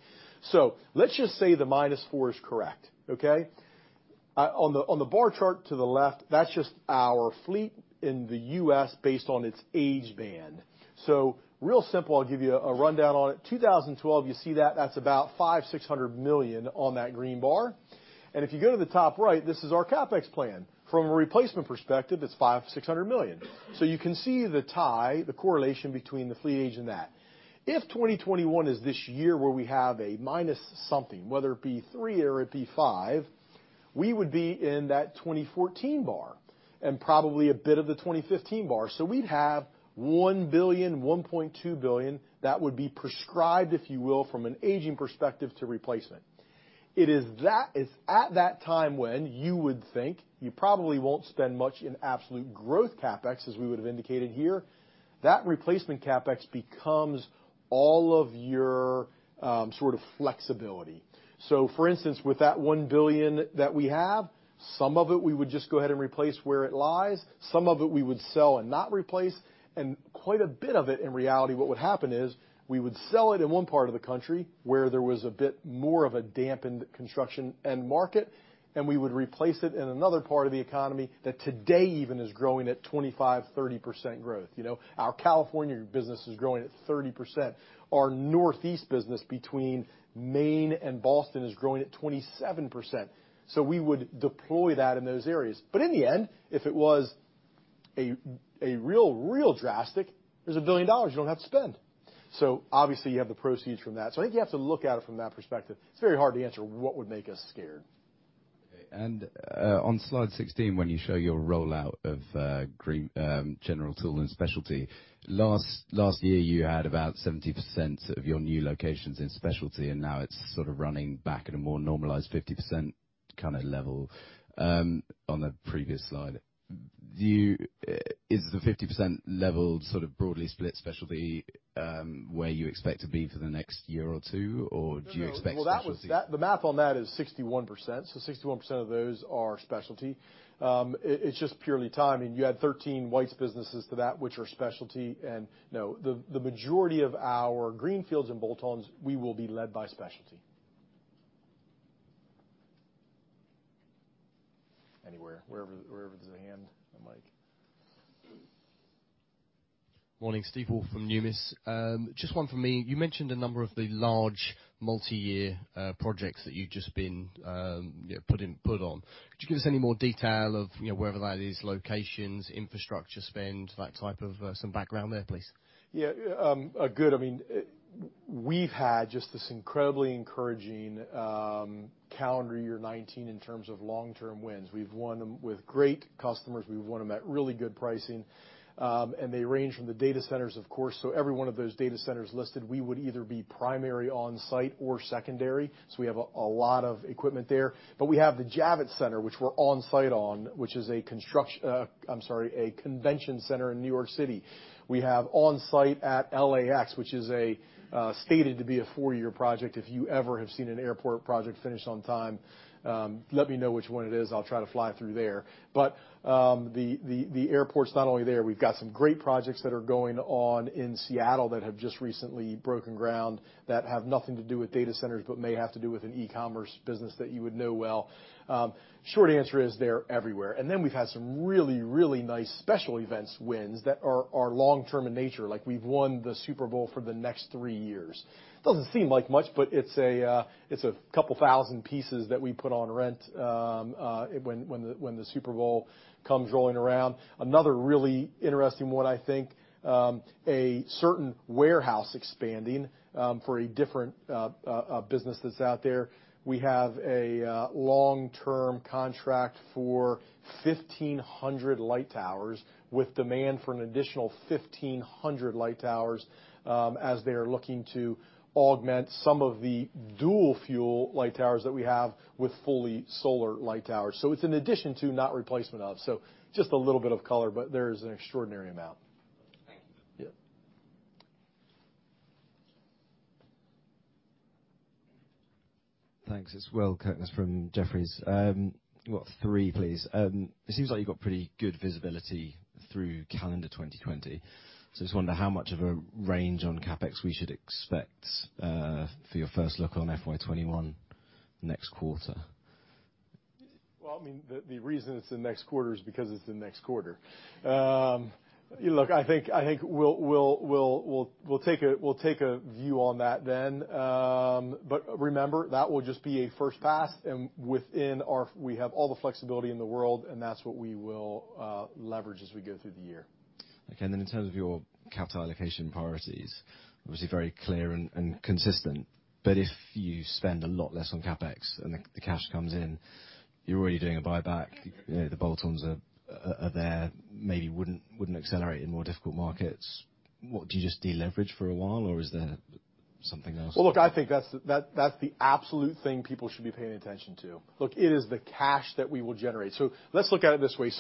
Let's just say the minus four is correct, okay? On the bar chart to the left, that's just our fleet in the U.S. based on its age band. Real simple, I'll give you a rundown on it. 2012, you see that's about 500 million, 600 million on that green bar. If you go to the top right, this is our CapEx plan. From a replacement perspective, it's 500 million, 600 million. You can see the tie, the correlation between the fleet age and that. If 2021 is this year where we have a minus something, whether it be three or it be five, we would be in that 2014 bar, and probably a bit of the 2015 bar. We'd have 1 billion, 1.2 billion that would be prescribed, if you will, from an aging perspective to replacement. It's at that time when you would think you probably won't spend much in absolute growth CapEx, as we would've indicated here. That replacement CapEx becomes all of your sort of flexibility. For instance, with that 1 billion that we have, some of it we would just go ahead and replace where it lies, some of it we would sell and not replace, quite a bit of it, in reality, what would happen is we would sell it in one part of the country where there was a bit more of a dampened construction end market, and we would replace it in another part of the economy that today even is growing at 25%-30% growth. Our California business is growing at 30%. Our Northeast business between Maine and Boston is growing at 27%. We would deploy that in those areas. In the end, if it was a real drastic, there's GBP 1 billion you don't have to spend. Obviously you have the proceeds from that. I think you have to look at it from that perspective. It is very hard to answer what would make us scared. Okay. On slide 16, when you show your rollout of general tool and specialty, last year, you had about 70% of your new locations in specialty, and now it's sort of running back at a more normalized 50% kind of level, on the previous slide. Is the 50% level sort of broadly split specialty, where you expect to be for the next year or two? Or do you expect specialty- No. Well, the math on that is 61%. 61% of those are specialty. It's just purely timing. You add 13 White's businesses to that, which are specialty and no, the majority of our greenfields and bolt-ons, we will be led by specialty. Anywhere, wherever there's a hand, a mic. Morning. Steve Woolf from Numis. Just one from me. You mentioned a number of the large multi-year projects that you've just been put on. Could you give us any more detail of wherever that is, locations, infrastructure spend, that type of some background there, please? Yeah. Good. We've had just this incredibly encouraging calendar year 2019 in terms of long-term wins. We've won them with great customers, we've won them at really good pricing. They range from the data centers, of course, every one of those data centers listed, we would either be primary on-site or secondary. We have a lot of equipment there. We have the Javits Center, which we're on-site on, which is a convention center in New York City. We have on-site at LAX, which is stated to be a four-year project. If you ever have seen an airport project finished on time, let me know which one it is, I'll try to fly through there. The airport's not only there. We've got some great projects that are going on in Seattle that have just recently broken ground that have nothing to do with data centers, but may have to do with an e-commerce business that you would know well. Short answer is they're everywhere. We've had some really nice special events wins that are long-term in nature, like we've won the Super Bowl for the next three years. It's a couple thousand pieces that we put on rent when the Super Bowl comes rolling around. Another really interesting one, I think, a certain warehouse expanding, for a different business that's out there. We have a long-term contract for 1,500 light towers, with demand for an additional 1,500 light towers, as they're looking to augment some of the dual-fuel light towers that we have with fully solar light towers. It's in addition to, not replacement of. Just a little bit of color, but there's an extraordinary amount. Thank you. Yeah. Thanks. It's Will Kirkness from Jefferies. Three, please. It seems like you got pretty good visibility through calendar 2020. Just wonder how much of a range on CapEx we should expect for your first look on FY 2021 next quarter. Well, the reason it's the next quarter is because it's the next quarter. Look, I think we'll take a view on that then. Remember, we have all the flexibility in the world, and that's what we will leverage as we go through the year. Okay. In terms of your capital allocation priorities, obviously very clear and consistent. If you spend a lot less on CapEx and the cash comes in, you're already doing a buyback. The bolt-ons are there, maybe wouldn't accelerate in more difficult markets. What, do you just deleverage for a while, or is there something else? Well, look, I think that's the absolute thing people should be paying attention to. Look, it is the cash that we will generate. Let's look at it this way.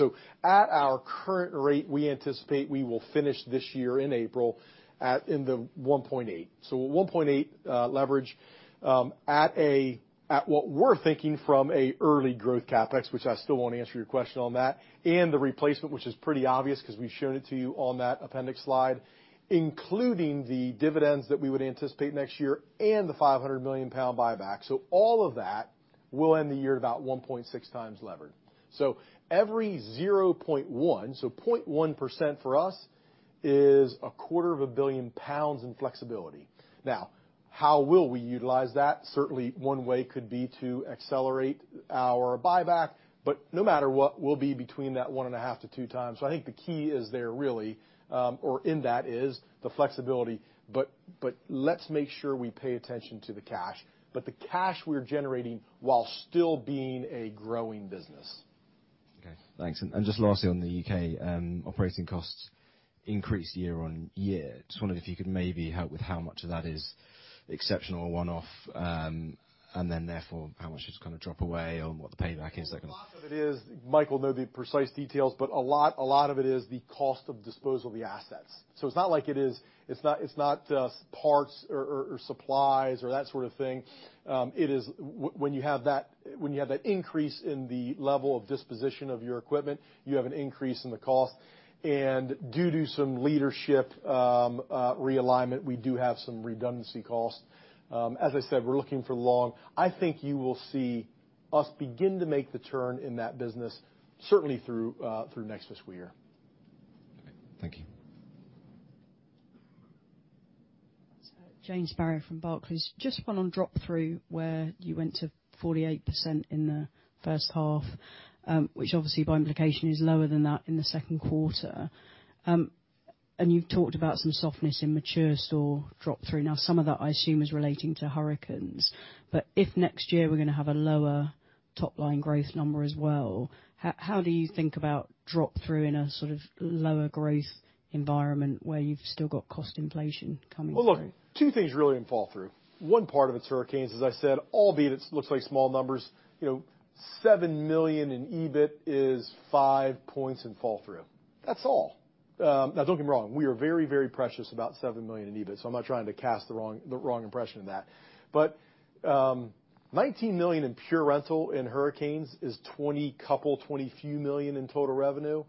At our current rate, we anticipate we will finish this year in April, in the 1.8x. At 1.8x leverage, at what we're thinking from a early growth CapEx, which I still won't answer your question on that, and the replacement, which is pretty obvious because we've shown it to you on that appendix slide, including the dividends that we would anticipate next year and the 500 million pound buyback. All of that will end the year about 1.6x levered. Every 0.1x, so 0.1% for us is a quarter of a billion pounds in flexibility. Now, how will we utilize that? Certainly, one way could be to accelerate our buyback. No matter what, we'll be between that one and a half to two times. I think the key is there really, or in that is the flexibility. Let's make sure we pay attention to the cash. The cash we're generating while still being a growing business. Okay, thanks. Just lastly, on the U.K. operating costs increase year-on-year. Just wondering if you could maybe help with how much of that is exceptional one-off, and then therefore, how much it's going to drop away or what the payback is like. A lot of it is, Mike will know the precise details, but a lot of it is the cost of disposal of the assets. It's not like it is. It's not just parts or supplies or that sort of thing. It is when you have that increase in the level of disposition of your equipment, you have an increase in the cost. Due to some leadership realignment, we do have some redundancy costs. As I said, we're looking for long. I think you will see us begin to make the turn in that business, certainly through next fiscal year. Okay. Thank you. Jane Sparrow from Barclays. Just one on drop-through, where you went to 48% in the first half. Which obviously by implication is lower than that in the second quarter. You've talked about some softness in mature store drop-through. Now, some of that I assume is relating to hurricanes. If next year we're going to have a lower top-line growth number as well, how do you think about drop-through in a sort of lower growth environment where you've still got cost inflation coming through? Well, look, two things really in fall-through. One part of it's hurricanes, as I said, albeit it looks like small numbers. 7 million in EBIT is 5 points in fall-through. That's all. Don't get me wrong, we are very, very precious about 7 million in EBIT, so I'm not trying to cast the wrong impression of that. 19 million in pure rental in hurricanes is 20, couple 20 few million in total revenue.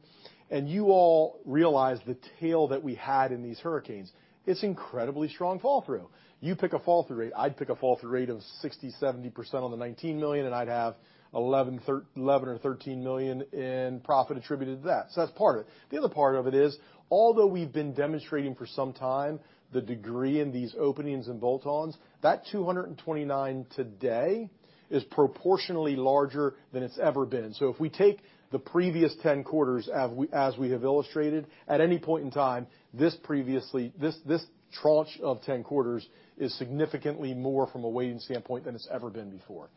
You all realize the tail that we had in these hurricanes. It's incredibly strong fall-through. You pick a fall-through rate, I'd pick a fall-through rate of 60%-70% on the 19 million, I'd have 11 million or 13 million in profit attributed to that. That's part of it. The other part of it is, although we've been demonstrating for some time the degree in these openings and bolt-ons. That 229 today is proportionally larger than it's ever been. If we take the previous 10 quarters as we have illustrated, at any point in time, this tranche of 10 quarters is significantly more from a weighting standpoint than it's ever been before.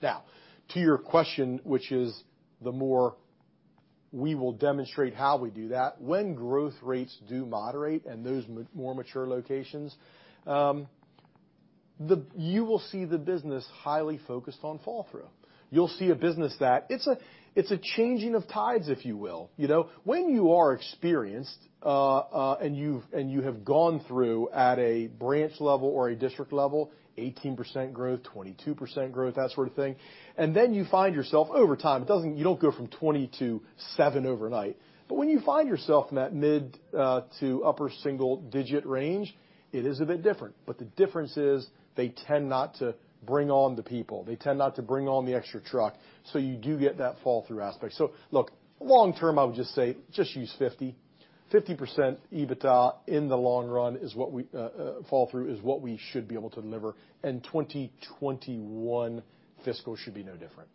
To your question, which is the more we will demonstrate how we do that when growth rates do moderate and those more mature locations. You will see the business highly focused on fall-through. You'll see a business that it's a changing of tides, if you will. When you are experienced, and you have gone through at a branch level or a district level, 18% growth, 22% growth, that sort of thing. You find yourself over time, you don't go from 20% to 7% overnight. When you find yourself in that mid to upper single digit range, it is a bit different. The difference is they tend not to bring on the people. They tend not to bring on the extra truck. You do get that fall-through aspect. Look, long term, I would just say just use 50%. 50% EBITDA in the long run fall-through is what we should be able to deliver. 2021 fiscal should be no different.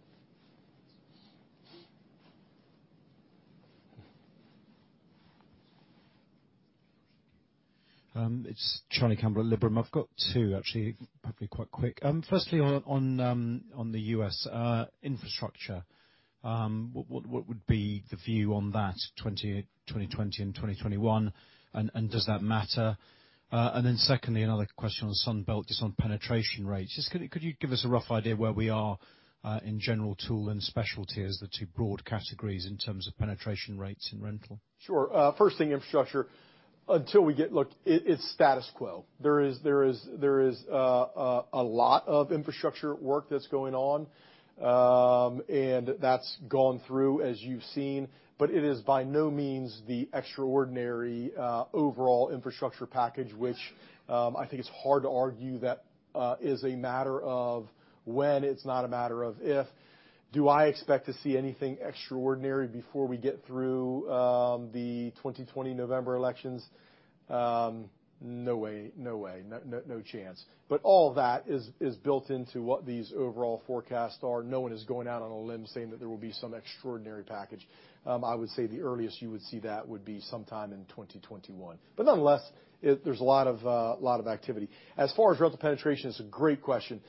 It's Charlie Campbell at Liberum. I've got two, actually. Hopefully quite quick. Firstly on the U.S. infrastructure, what would be the view on that 2020 and 2021, and does that matter? Secondly, another question on Sunbelt, just on penetration rates. Just could you give us a rough idea where we are? In general, tool and specialty as the two broad categories in terms of penetration rates in rental. Sure. First thing, infrastructure. Look, it's status quo. There is a lot of infrastructure work that's going on. That's gone through, as you've seen. It is by no means the extraordinary overall infrastructure package, which I think is hard to argue that is a matter of when, it's not a matter of if. Do I expect to see anything extraordinary before we get through the 2020 November elections? No way. No chance. All that is built into what these overall forecasts are. No one is going out on a limb saying that there will be some extraordinary package. I would say the earliest you would see that would be sometime in 2021. Nonetheless, there's a lot of activity. As far as rental penetration, it's a great question,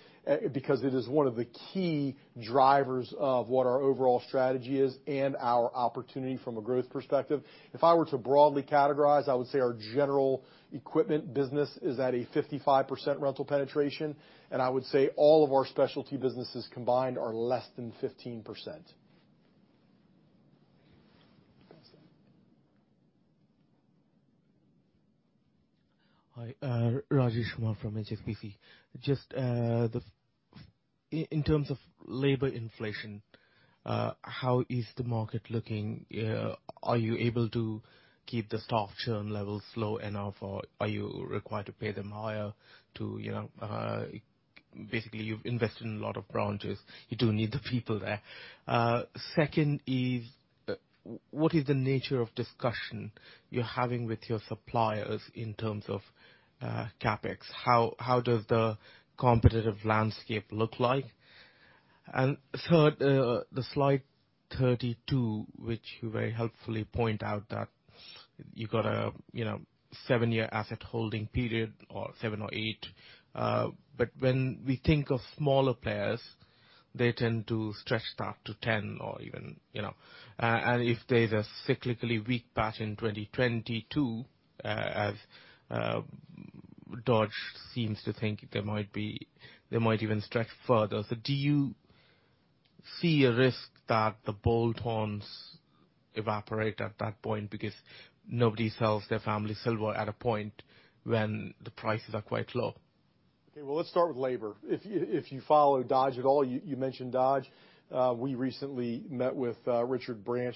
because it is one of the key drivers of what our overall strategy is and our opportunity from a growth perspective. If I were to broadly categorize, I would say our general equipment business is at a 55% rental penetration, and I would say all of our specialty businesses combined are less than 15%. Hi. Rajesh Kumar from HSBC. Just in terms of labor inflation, how is the market looking? Are you able to keep the staff churn levels low enough, or are you required to pay them higher? Basically, you've invested in a lot of branches. You do need the people there. Second is, what is the nature of discussion you're having with your suppliers in terms of CapEx? How does the competitive landscape look like? Third, the slide 32, which you very helpfully point out that you've got a seven-year asset holding period or seven or eight. When we think of smaller players, they tend to stretch that to 10 or even. If there's a cyclically weak patch in 2022, as Dodge seems to think, they might even stretch further. Do you see a risk that the bolt-ons evaporate at that point because nobody sells their family silver at a point when the prices are quite low? Okay. Well, let's start with labor. If you follow Dodge at all, you mentioned Dodge. We recently met with Richard Branch.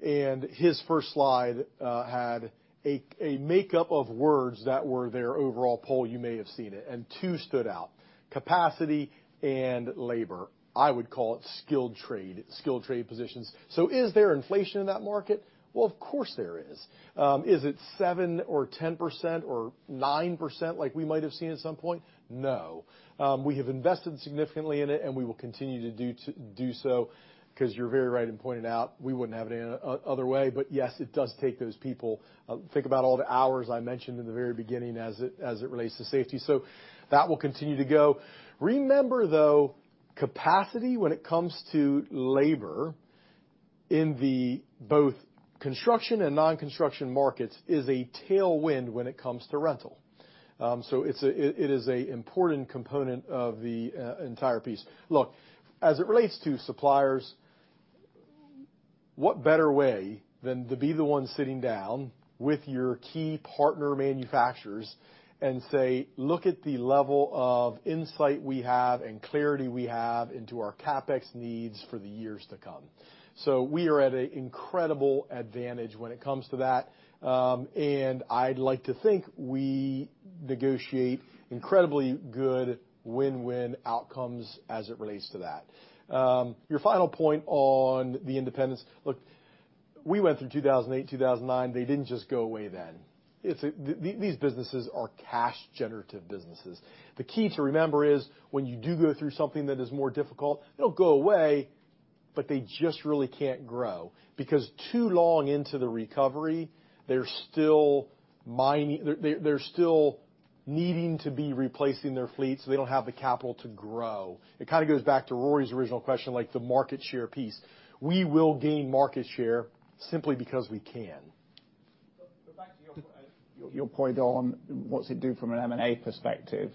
His first slide had a makeup of words that were their overall poll. You may have seen it. Two stood out, capacity and labor. I would call it skilled trade positions. Is there inflation in that market? Well, of course there is. Is it seven or 10% or 9% like we might have seen at some point? No. We have invested significantly in it, and we will continue to do so, because you're very right in pointing out, we wouldn't have it any other way. Yes, it does take those people. Think about all the hours I mentioned in the very beginning as it relates to safety. That will continue to go. Remember, capacity, when it comes to labor in both construction and non-construction markets, is a tailwind when it comes to rental. It is an important component of the entire piece. Look, as it relates to suppliers, what better way than to be the one sitting down with your key partner manufacturers and say, "Look at the level of insight we have and clarity we have into our CapEx needs for the years to come." We are at an incredible advantage when it comes to that. I'd like to think we negotiate incredibly good win-win outcomes as it relates to that. Your final point on the independents. Look, we went through 2008, 2009. They didn't just go away then. These businesses are cash-generative businesses. The key to remember is when you do go through something that is more difficult, they'll go away, but they just really can't grow. Too long into the recovery, they're still needing to be replacing their fleet, so they don't have the capital to grow. It kind of goes back to Rory's original question, like the market share piece. We will gain market share simply because we can. Back to your point on what's it do from an M&A perspective,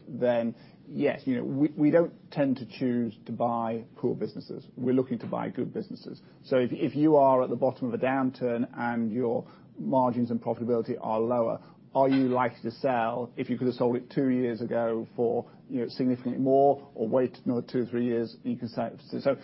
yes, we don't tend to choose to buy poor businesses. We're looking to buy good businesses. If you are at the bottom of a downturn, and your margins and profitability are lower, are you likely to sell if you could have sold it two years ago for significantly more or wait another two or three years and you can sell it?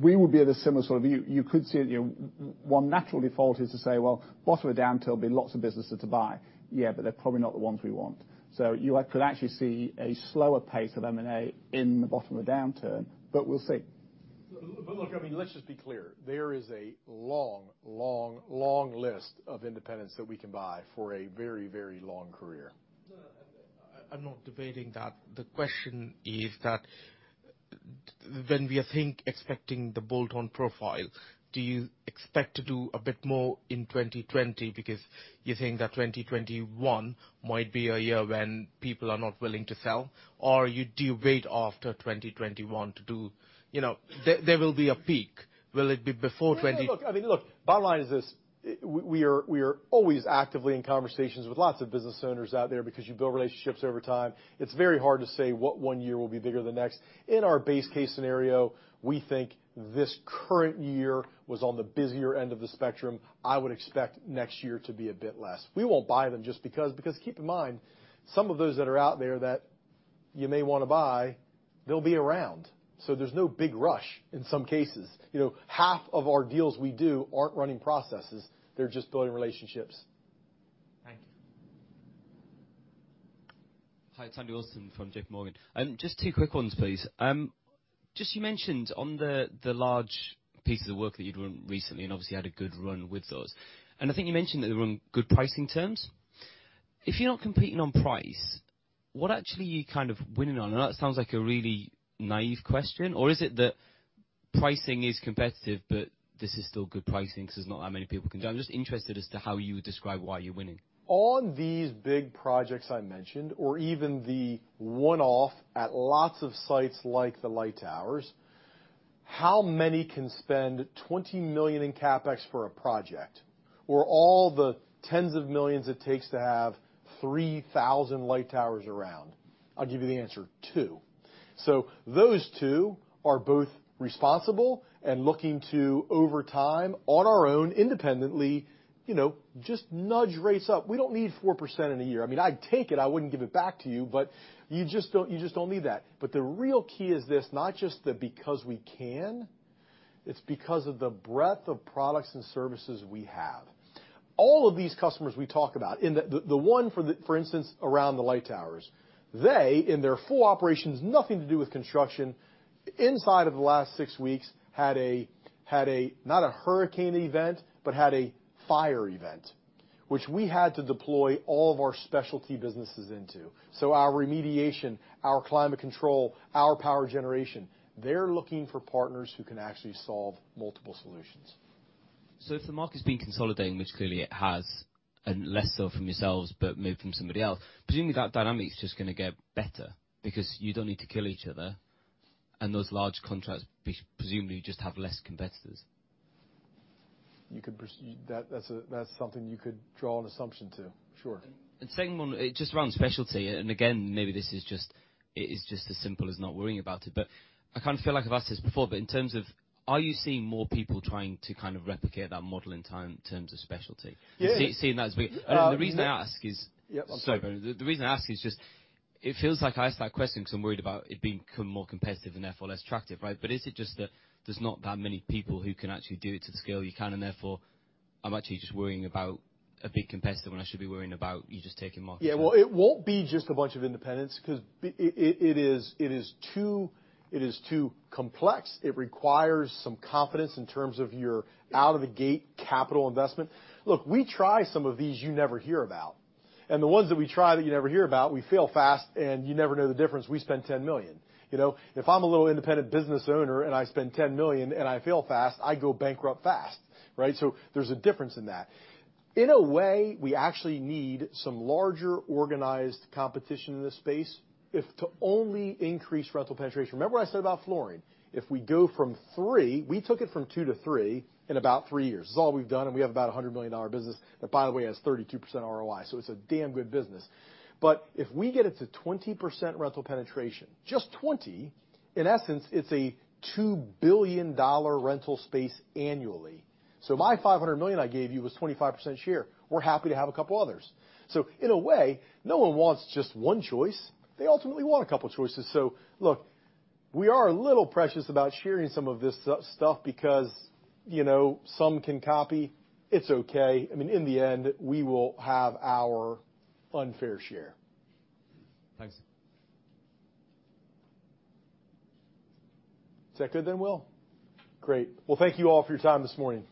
We would be at a similar sort of view. You could see one natural default is to say, "Well, bottom of a downturn, there'll be lots of businesses to buy." Yeah. They're probably not the ones we want. You could actually see a slower pace of M&A in the bottom of a downturn. We'll see. Look, let's just be clear. There is a long list of independents that we can buy for a very long career. No, I'm not debating that. The question is that when we are think expecting the bolt-on profile, do you expect to do a bit more in 2020 because you think that 2021 might be a year when people are not willing to sell? Do you wait after 2021? There will be a peak. Will it be before 20- No. Look, bottom line is this, we are always actively in conversations with lots of business owners out there because you build relationships over time. It's very hard to say what one year will be bigger than the next. In our base case scenario, we think this current year was on the busier end of the spectrum. I would expect next year to be a bit less. We won't buy them just because keep in mind, some of those that are out there that you may want to buy, they'll be around. There's no big rush in some cases. Half of our deals we do aren't running processes, they're just building relationships. Thank you. Hi, Lushanthan Mahendrarajah from JPMorgan. Just two quick ones, please. You mentioned on the large pieces of work that you'd won recently, obviously, had a good run with those. I think you mentioned that they were on good pricing terms. If you're not competing on price, what actually are you kind of winning on? I know that sounds like a really naive question. Is it that pricing is competitive, but this is still good pricing because there's not that many people can do it? I'm just interested as to how you describe why you're winning. On these big projects I mentioned, or even the one-off at lots of sites like the light towers, how many can spend $20 million in CapEx for a project or all the tens of millions it takes to have 3,000 light towers around? I'll give you the answer. Two. Those two are both responsible and looking to, over time, on our own, independently, just nudge rates up. We don't need 4% in a year. I'd take it, I wouldn't give it back to you, but you just don't need that. The real key is this, not just that because we can, it's because of the breadth of products and services we have. All of these customers we talk about, the one, for instance, around the light towers. They, in their full operations, nothing to do with construction, inside of the last six weeks, had a, not a hurricane event, but had a fire event, which we had to deploy all of our specialty businesses into. Our remediation, our climate control, our power generation, they're looking for partners who can actually solve multiple solutions. If the market's been consolidating, which clearly it has, and less so from yourselves, but maybe from somebody else, presumably that dynamic is just going to get better because you don't need to kill each other, and those large contracts presumably just have less competitors. That's something you could draw an assumption to. Sure. Second one, just around specialty, and again, maybe this is just as simple as not worrying about it, but I kind of feel like I've asked this before, but in terms of, are you seeing more people trying to kind of replicate that model in terms of specialty? Yeah. Seeing that as being No. The reason I ask is- Yep. Sorry. The reason I ask is just it feels like I ask that question because I'm worried about it becoming more competitive and therefore less attractive, right? Is it just that there's not that many people who can actually do it to the scale you can, and therefore, I'm actually just worrying about a bit competitive when I should be worrying about you just taking market share. Yeah. Well, it won't be just a bunch of independents because it is too complex. It requires some confidence in terms of your out-of-the-gate capital investment. The ones that we try that you never hear about, we fail fast and you never know the difference. We spend 10 million. If I'm a little independent business owner and I spend 10 million and I fail fast, I go bankrupt fast, right? There's a difference in that. In a way, we actually need some larger organized competition in this space if to only increase rental penetration. Remember what I said about flooring? If we go from three, we took it from two to three in about three years. This is all we've done, and we have about $100 million business that, by the way, has 32% ROI, so it's a damn good business. If we get it to 20% rental penetration, just 20, in essence, it's a $2 billion rental space annually. My $500 million I gave you was 25% share. We're happy to have a couple others. In a way, no one wants just one choice. They ultimately want a couple choices. Look, we are a little precious about sharing some of this stuff because some can copy. It's okay. In the end, we will have our unfair share. Thanks. Is that good then, Will? Great. Well, thank you all for your time this morning. Thank you.